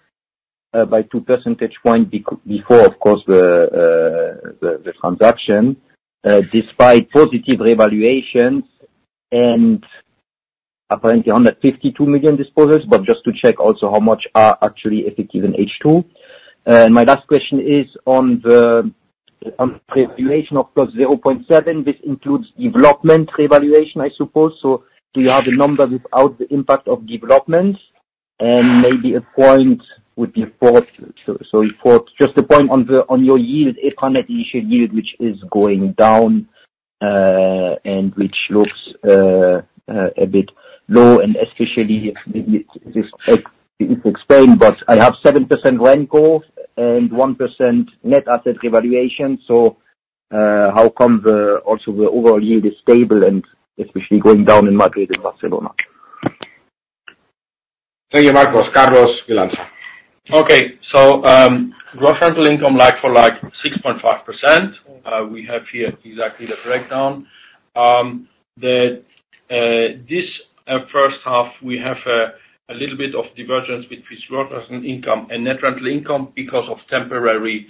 by two percentage points before, of course, the transaction, despite positive revaluations and apparently under 52 million disposals, but just to check also how much are actually effective in H2. My last question is on the, on the valuation of +0.7, this includes development revaluation, I suppose, so do you have the number without the impact of development? And maybe a point with the fourth, so fourth, just a point on the, on your yield, economy issue yield, which is going down, and which looks a bit low, and especially this is explained, but I have 7% rent growth and 1% net asset revaluation. So, how come the, also the overall yield is stable and especially going down in Madrid and Barcelona? Thank you, Markus. Carlos, Viñolas. Okay, so, growth rental income like-for-like 6.5%, we have here exactly the breakdown. This first half, we have a little bit of divergence between growth rental income and net rental income because of temporary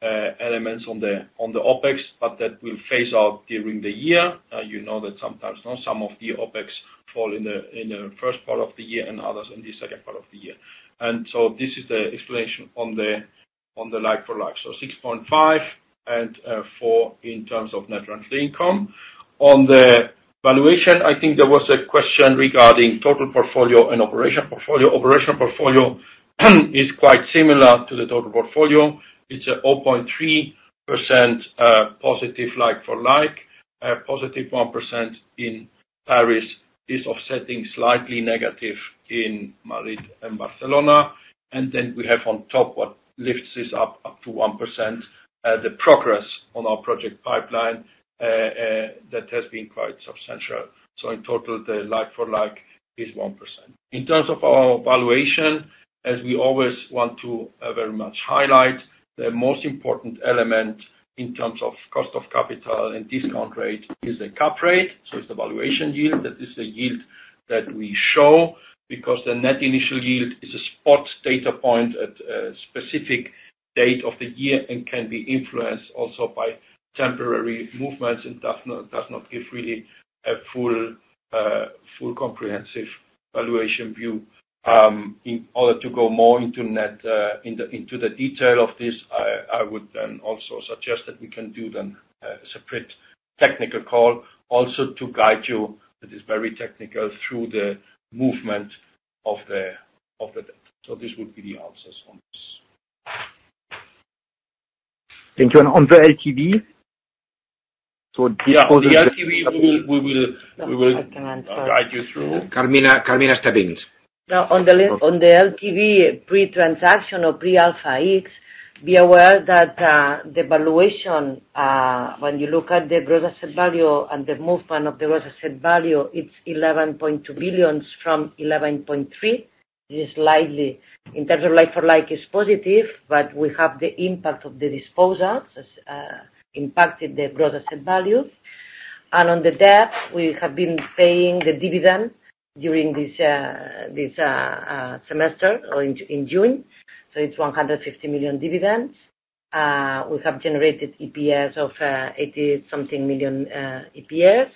elements on the OpEx, but that will phase out during the year. You know that sometimes, some of the OpEx fall in the first part of the year and others in the second part of the year. So this is the explanation on the like-for-like. So 6.5% and 4% in terms of net rental income. On the valuation, I think there was a question regarding total portfolio and operational portfolio. Operational portfolio is quite similar to the total portfolio. It's a 0.3%+, like-for-like, +1% in Paris is offsetting slightly negative in Madrid and Barcelona. And then we have on top what lifts this up, up to 1%, the progress on our project pipeline, that has been quite substantial. So in total, the like-for-like is 1%. In terms of our valuation, as we always want to very much highlight-... The most important element in terms of cost of capital and discount rate is the cap rate. So it's the valuation yield, that is the yield that we show, because the net initial yield is a spot data point at a specific date of the year and can be influenced also by temporary movements and does not give really a full, full comprehensive valuation view. In order to go more into net, into the detail of this, I would then also suggest that we can do then a separate technical call. Also to guide you, it is very technical through the movement of the debt. So this would be the answers on this. Thank you. On the LTV, Yeah, the LTV, we will- I can answer. Guide you through. Carmina, Carmina Stubbins. Now, on the LTV pre-transaction or pre-Alpha X, be aware that, the valuation, when you look at the gross asset value and the movement of the gross asset value, it's 11.2 billion from 11.3 billion. It is slightly, in terms of like-for-like, is positive, but we have the impact of the disposals impacted the gross asset value. And on the debt, we have been paying the dividend during this semester or in June, so it's 150 million dividends. We have generated EPS of 80-something million EUR EPS.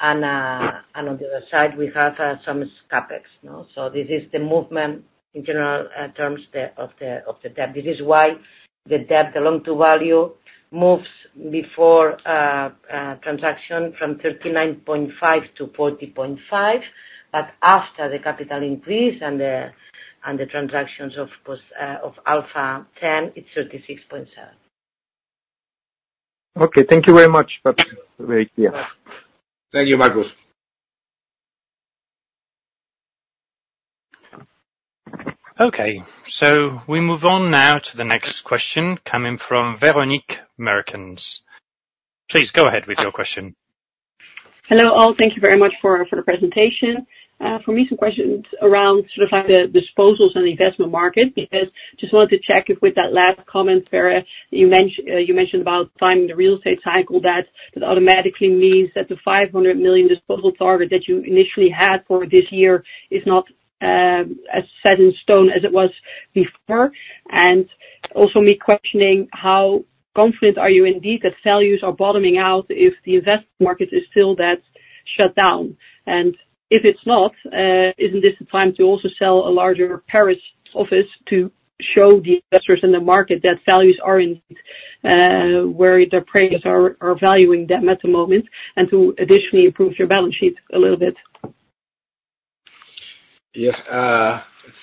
And on the other side, we have some CapEx, you know. So this is the movement in general terms of the debt. This is why the debt, the loan-to-value, moves before a transaction from 39.5 to 40.5. But after the capital increase and the, and the transactions, of course, of Alpha X, it's 36.7. Okay, thank you very much. But yeah. Thank you, Markus. Okay. So we move on now to the next question coming from Véronique Meertens. Please go ahead with your question. Hello, all. Thank you very much for the presentation. For me, some questions around sort of like the disposals in the investment market, because just wanted to check if with that last comment, where you mentioned about timing the real estate cycle, that it automatically means that the 500 million disposal target that you initially had for this year is not as set in stone as it was before. And also me questioning, how confident are you indeed that values are bottoming out if the investment market is still that shut down? And if it's not, isn't this the time to also sell a larger Paris office to show the investors in the market that values are in where their prices are valuing them at the moment, and to additionally improve your balance sheet a little bit? Yes,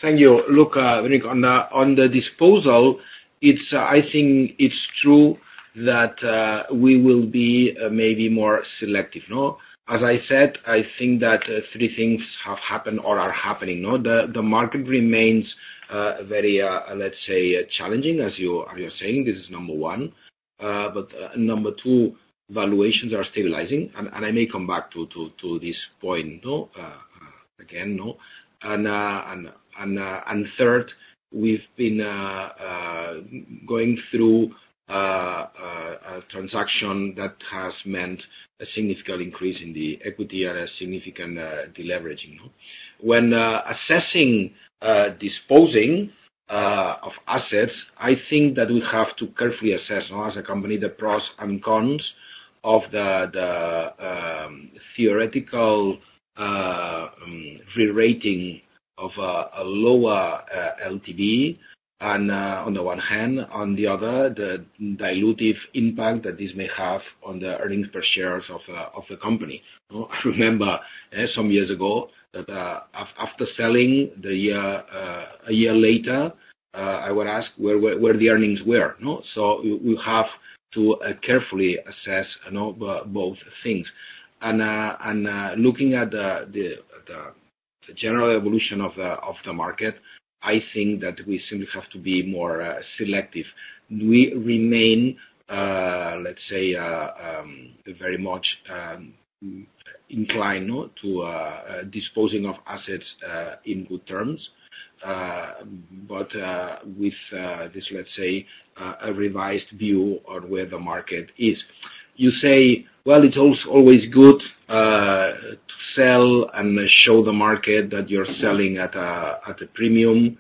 thank you. Look, Véronique, on the disposal, it's. I think it's true that we will be maybe more selective, no? As I said, I think that three things have happened or are happening, no. The market remains very, let's say, challenging, as you're saying. This is number one. But number two, valuations are stabilizing, and I may come back to this point, no, again, no. And third, we've been going through a transaction that has meant a significant increase in the equity and a significant deleveraging. When assessing disposing of assets, I think that we have to carefully assess, as a company, the pros and cons of the theoretical re-rating of a lower LTV, and on the one hand, on the other, the dilutive impact that this may have on the earnings per shares of the company. I remember some years ago that after selling, a year later, I would ask where the earnings were, no? So we have to carefully assess, you know, both things. And looking at the general evolution of the market, I think that we simply have to be more selective. We remain, let's say, very much inclined, no, to disposing of assets in good terms. But, with this, let's say, a revised view on where the market is. You say, "Well, it's always good to sell and show the market that you're selling at a premium."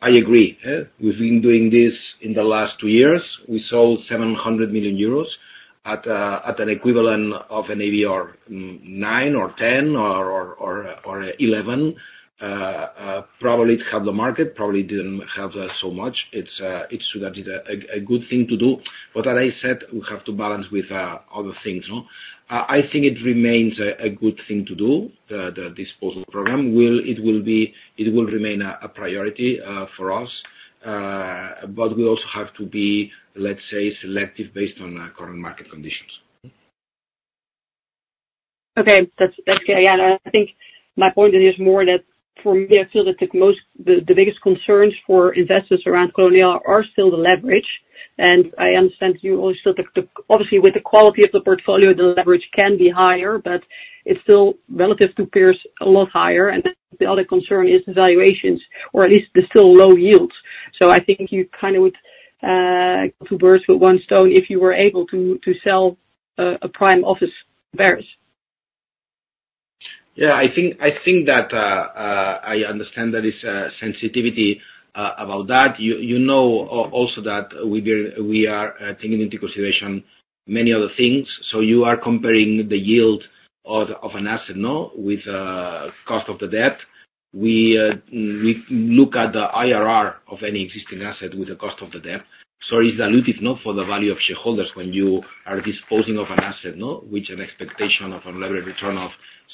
I agree. We've been doing this in the last two years. We sold 700 million euros at an equivalent of an AVR nine or 10 or 11. Probably it helped the market, probably didn't help us so much. It's true that it's a good thing to do, but as I said, we have to balance with other things, no? I think it remains a good thing to do. The disposal program will remain a priority for us. But we also have to be, let's say, selective based on current market conditions. Okay. That's, that's fair. Yeah, and I think my point is more that for me, I feel that the most... the biggest concerns for investors around Colonial are still the leverage. And I understand you also, that obviously, with the quality of the portfolio, the leverage can be higher, but it's still relative to peers, a lot higher. And the other concern is the valuations, or at least the still low yields... So I think you kind of would two birds with one stone, if you were able to, to sell a prime office Paris. Yeah, I think, I think that I understand there is a sensitivity about that. You know, also that we are taking into consideration many other things. So you are comparing the yield of an asset, no, with cost of the debt. We look at the IRR of any existing asset with the cost of the debt. So it's dilutive, no, for the value of shareholders when you are disposing of an asset, no, which an expectation of unlevered return of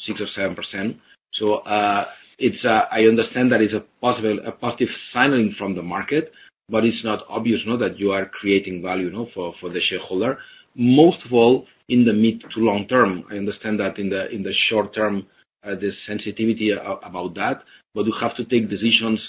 6% or 7%. So it's I understand that it's a possible, a positive signaling from the market, but it's not obvious, no, that you are creating value, you know, for the shareholder. Most of all, in the mid to long term, I understand that in the short term, the sensitivity about that, but you have to take decisions,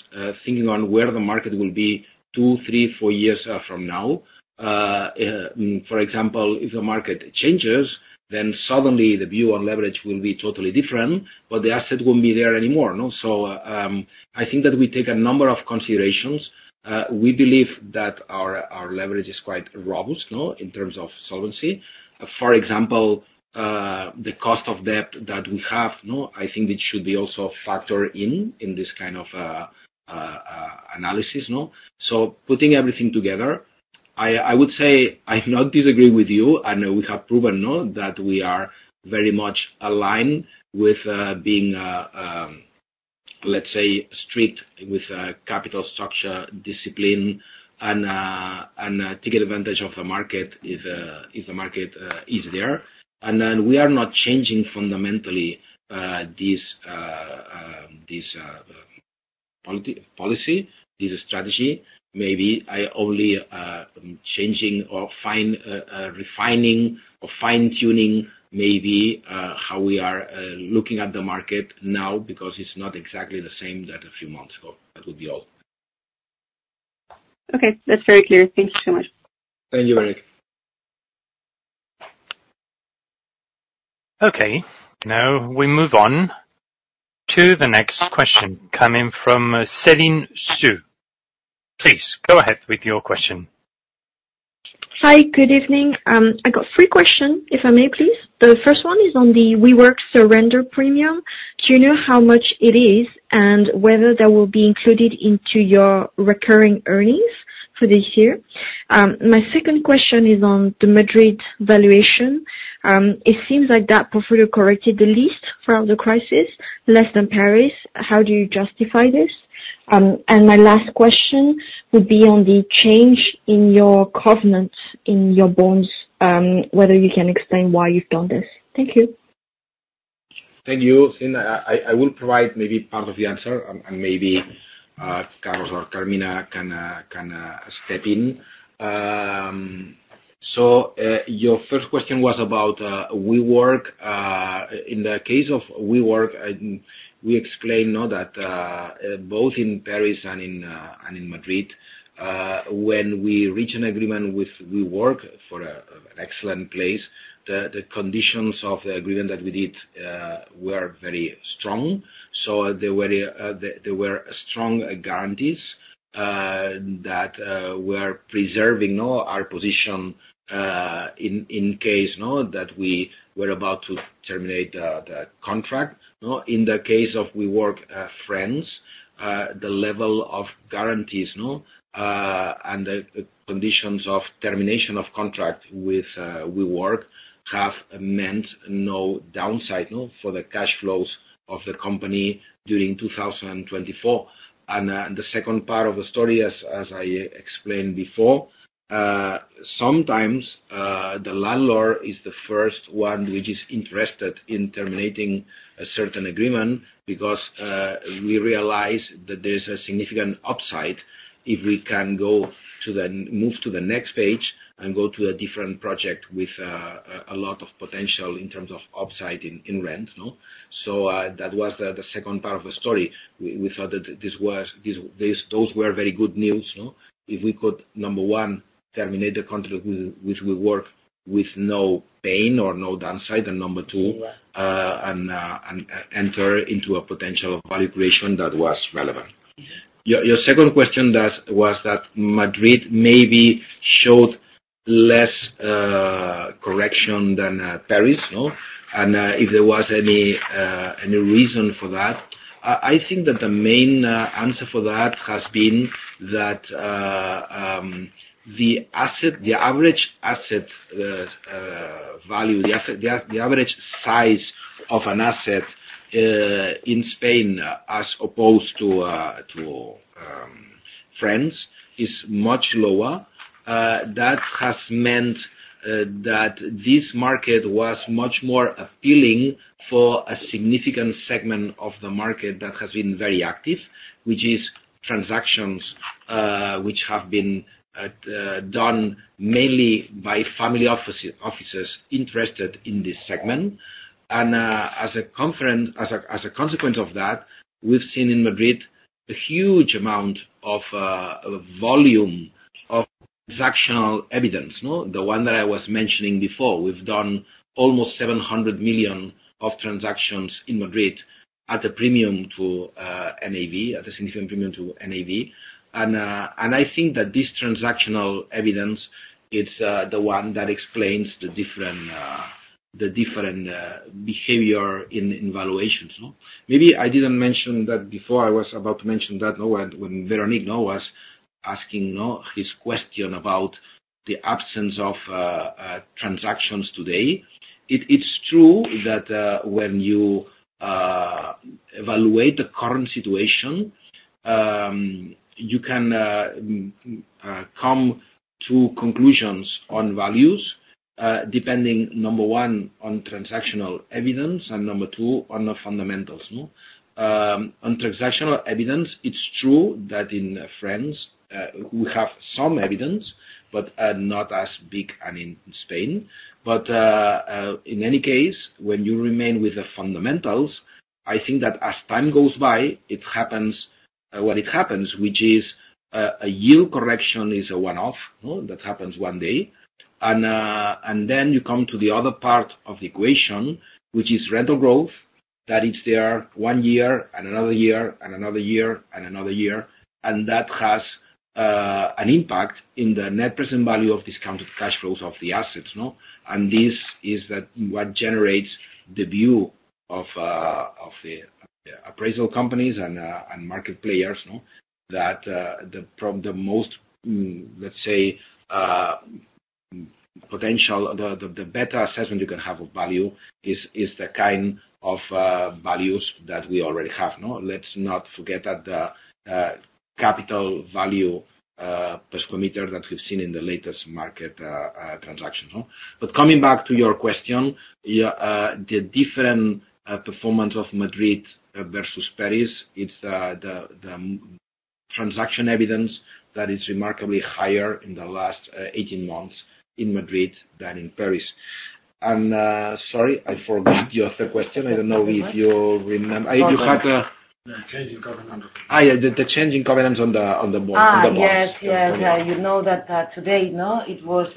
thinking on where the market will be two, three, four years from now. For example, if the market changes, then suddenly the view on leverage will be totally different, but the asset won't be there anymore, no? So, I think that we take a number of considerations. We believe that our leverage is quite robust, no, in terms of solvency. For example, the cost of debt that we have, no, I think it should be also factored in, in this kind of analysis, no? So putting everything together, I would say I do not disagree with you, and we have proven that we are very much aligned with being, let's say, strict with capital structure, discipline, and take advantage of the market if the market is there. And then we are not changing fundamentally this policy, this strategy. Maybe I only changing or fine- refining or fine-tuning, maybe, how we are looking at the market now, because it's not exactly the same that a few months ago. That would be all. Okay. That's very clear. Thank you so much. Thank you very much. Okay, now we move on to the next question, coming from Céline Soo-Huynh. Please go ahead with your question. Hi, good evening. I got three question, if I may, please. The first one is on the WeWork surrender premium. Do you know how much it is, and whether that will be included into your recurring earnings for this year? My second question is on the Madrid valuation. It seems like that portfolio corrected the least from the crisis, less than Paris. How do you justify this? And my last question would be on the change in your covenants, in your bonds, whether you can explain why you've done this. Thank you. Thank you. And I will provide maybe part of the answer and maybe Carlos or Carmina can step in. So your first question was about WeWork. In the case of WeWork, we explain, no, that both in Paris and in Madrid when we reach an agreement with WeWork for an excellent place, the conditions of the agreement that we did were very strong. So there were strong guarantees that were preserving, no, our position in case, no, that we were about to terminate the contract, no? In the case of WeWork, France, the level of guarantees, no, and the conditions of termination of contract with WeWork, have meant no downside, no, for the cash flows of the company during 2024. The second part of the story, as I explained before, sometimes the landlord is the first one which is interested in terminating a certain agreement because we realize that there's a significant upside if we can go to the, move to the next page and go to a different project with a lot of potential in terms of upside in rent, no? That was the second part of the story. We thought that this was, this, this, those were very good news, no? If we could, number one, terminate the contract with WeWork with no pain or no downside. And number two, and enter into a potential valuation that was relevant. Your second question that was that Madrid maybe showed less correction than Paris, no? And if there was any reason for that. I think that the main answer for that has been that the average asset value. The average size of an asset in Spain, as opposed to France, is much lower. That has meant that this market was much more appealing for a significant segment of the market that has been very active, which is transactions which have been done mainly by family offices interested in this segment. As a consequence of that, we've seen in Madrid a huge amount of volume of transactional evidence, no? The one that I was mentioning before. We've done almost 700 million of transactions in Madrid at a premium to NAV, at a significant premium to NAV. And I think that this transactional evidence, it's the one that explains the different behavior in valuations, no? Maybe I didn't mention that before. I was about to mention that, you know, when Véronique, you know, was asking, you know, this question about the absence of transactions today. It's true that, when you evaluate the current situation, you can come to conclusions on values, depending, number one, on transactional evidence, and number two, on the fundamentals, no? On transactional evidence, it's true that in France, we have some evidence, but not as big as in Spain. But in any case, when you remain with the fundamentals, I think that as time goes by, it happens what it happens, which is a yield correction is a one-off, no? That happens one day. And then you come to the other part of the equation, which is rental growth. That is there one year and another year and another year and another year, and that has an impact in the net present value of discounted cash flows of the assets, no? And this is that, what generates the view of the appraisal companies and market players, no? That, the most, let's say, potential. The better assessment you can have of value is the kind of values that we already have, no? Let's not forget that the capital value per sq m that we've seen in the latest market transaction, no? But coming back to your question, yeah, the different performance of Madrid versus Paris, it's the transaction evidence that is remarkably higher in the last 18 months in Madrid than in Paris. And sorry, I forgot the other question. I don't know if you remember. If you had... The change in governance. Ah, yeah, the change in governance on the board. Yes, yes. You know that today, no, it was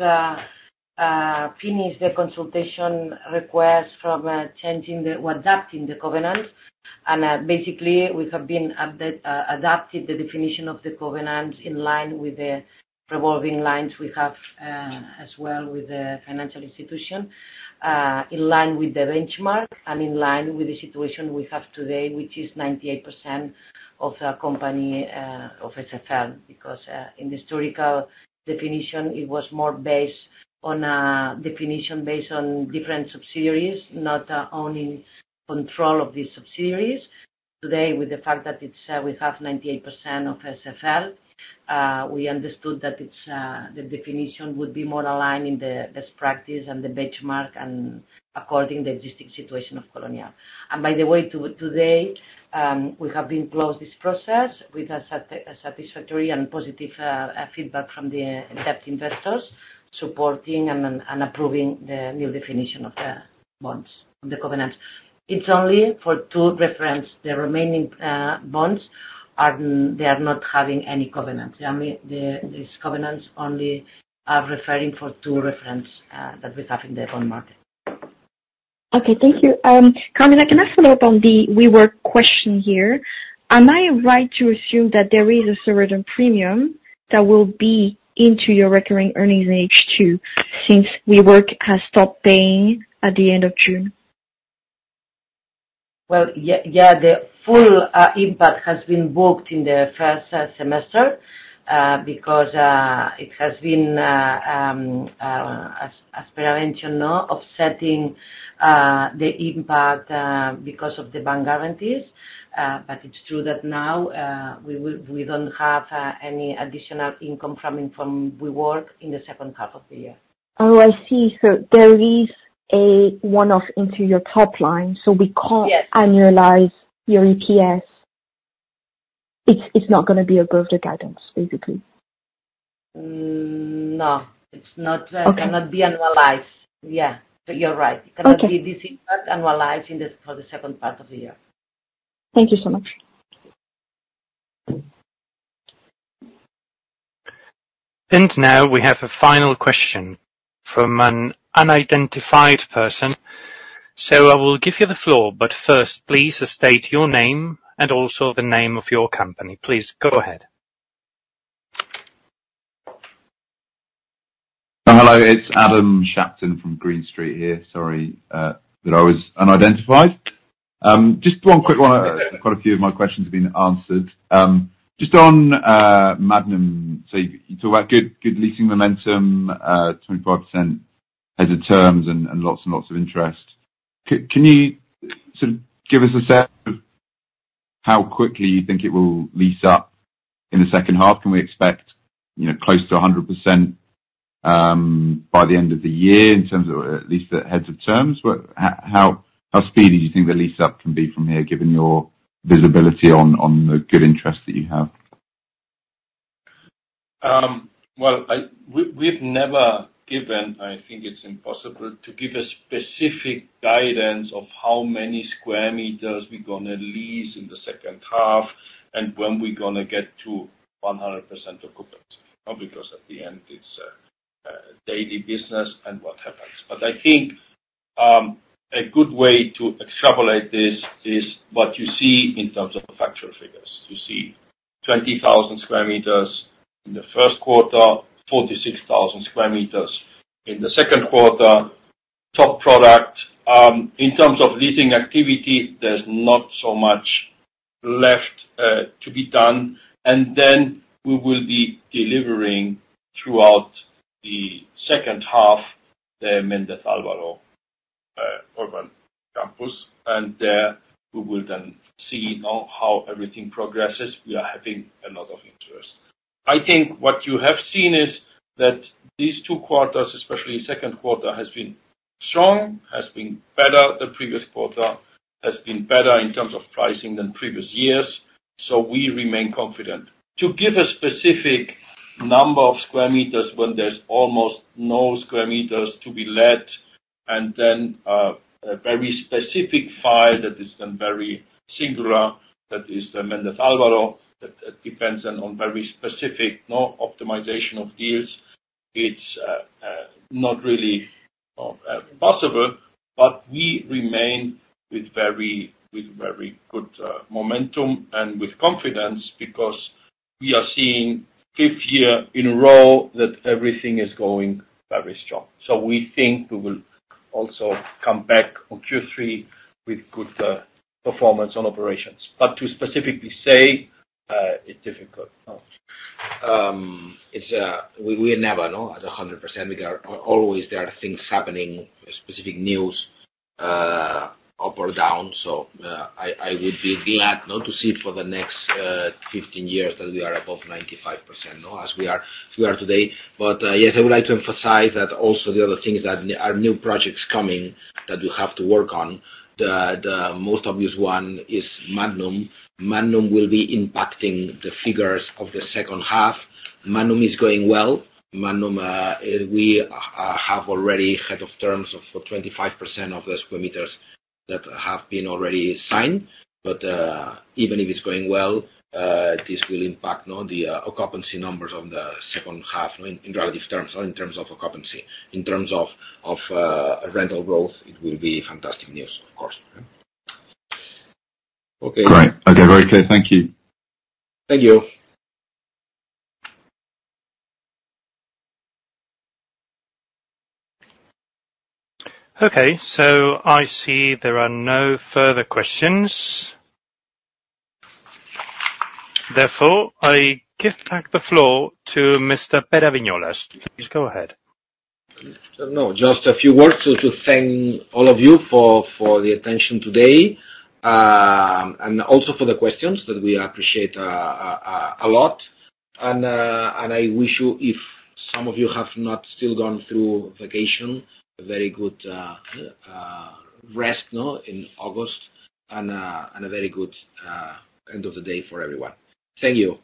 finished, the consultation request from changing the, or adapting the governance. And basically, we have been update adapted the definition of the governance in line with the revolving lines we have, as well with the financial institution, in line with the benchmark and in line with the situation we have today, which is 98% of the company, of SFL. Because in the historical definition, it was more based on a definition based on different subsidiaries, not only control of the subsidiaries. Today, with the fact that it's we have 98% of SFL, we understood that it's the definition would be more aligned in the best practice and the benchmark and according the existing situation of Colonial. And by the way, today, we have been closed this process with a satisfactory and positive feedback from the debt investors, supporting and approving the new definition of the bonds, of the covenants. It's only for two reference. The remaining bonds are, they are not having any covenants. I mean, the, these covenants only are referring for two reference, that we have in the bond market. Okay, thank you. Carmina, can I follow up on the WeWork question here? Am I right to assume that there is a certain premium that will be into your recurring earnings in H2, since WeWork has stopped paying at the end of June? Well, yeah, yeah, the full impact has been booked in the first semester because it has been, as per mentioned, no offsetting the impact because of the bank guarantees. But it's true that now we don't have any additional income coming from WeWork in the second half of the year. Oh, I see. So there is a one-off into your top line, so we can't- Yes... annualize your EPS. It's not gonna be above the guidance, basically. Mm, no. It's not- Okay... cannot be annualized. Yeah, you're right. Okay. It cannot be this impact annualized for the second part of the year. Thank you so much. Now we have a final question from an unidentified person. I will give you the floor, but first, please state your name and also the name of your company. Please, go ahead. Hello, it's Adam Shapton from Green Street here. Sorry, that I was unidentified. Just one quick one. Quite a few of my questions have been answered. Just on, Magnum, so you talk about good, good leasing momentum, 25% as of terms and, and lots and lots of interest. Can you sort of give us a sense of how quickly you think it will lease up in the second half? Can we expect, you know, close to 100%, by the end of the year in terms of at least the heads of terms? How speedy do you think the lease-up can be from here, given your visibility on, on the good interest that you have? Well, we've never given... I think it's impossible to give a specific guidance of how many sq m we're gonna lease in the second half and when we're gonna get to 100% occupancy. Because at the end, it's daily business and what happens. But I think-... A good way to extrapolate this is what you see in terms of the factual figures. You see 20,000 sq m in the first quarter, 46,000 sq m in the second quarter, top product. In terms of leasing activity, there's not so much left to be done, and then we will be delivering throughout the second half, the Méndez Álvaro urban campus. There, we will then see on how everything progresses. We are having a lot of interest. I think what you have seen is that these two quarters, especially second quarter, has been strong, has been better. The previous quarter has been better in terms of pricing than previous years, so we remain confident. To give a specific number of sq m when there's almost no sq m to be let, and then, a very specific file that is then very singular, that is the Méndez Álvaro, that, that depends on, on very specific, no optimization of deals. It's, not really, possible, but we remain with very, with very good, momentum and with confidence because we are seeing fifth year in a row that everything is going very strong. So we think we will also come back on Q3 with good, performance on operations. But to specifically say, it's difficult. It's we never know as 100%, because always there are things happening, specific news, up or down. I would be glad not to see for the next 15 years that we are above 95%, no, as we are today. But yes, I would like to emphasize that also the other thing is that there are new projects coming that we have to work on. The most obvious one is Madnum. Madnum will be impacting the figures of the second half. Madnum is going well. We have already had of terms of the 25% of the sq m that have been already signed. But even if it's going well, this will impact, no, the occupancy numbers on the second half, in relative terms, or in terms of occupancy. In terms of rental growth, it will be fantastic news, of course. Okay. Great. Okay. Very clear. Thank you. Thank you. Okay. So I see there are no further questions. Therefore, I give back the floor to Mr. Pere Viñolas. Please go ahead. No, just a few words to thank all of you for the attention today, and also for the questions that we appreciate a lot. And I wish you, if some of you have not still gone through vacation, a very good rest, no, in August, and a very good end of the day for everyone. Thank you.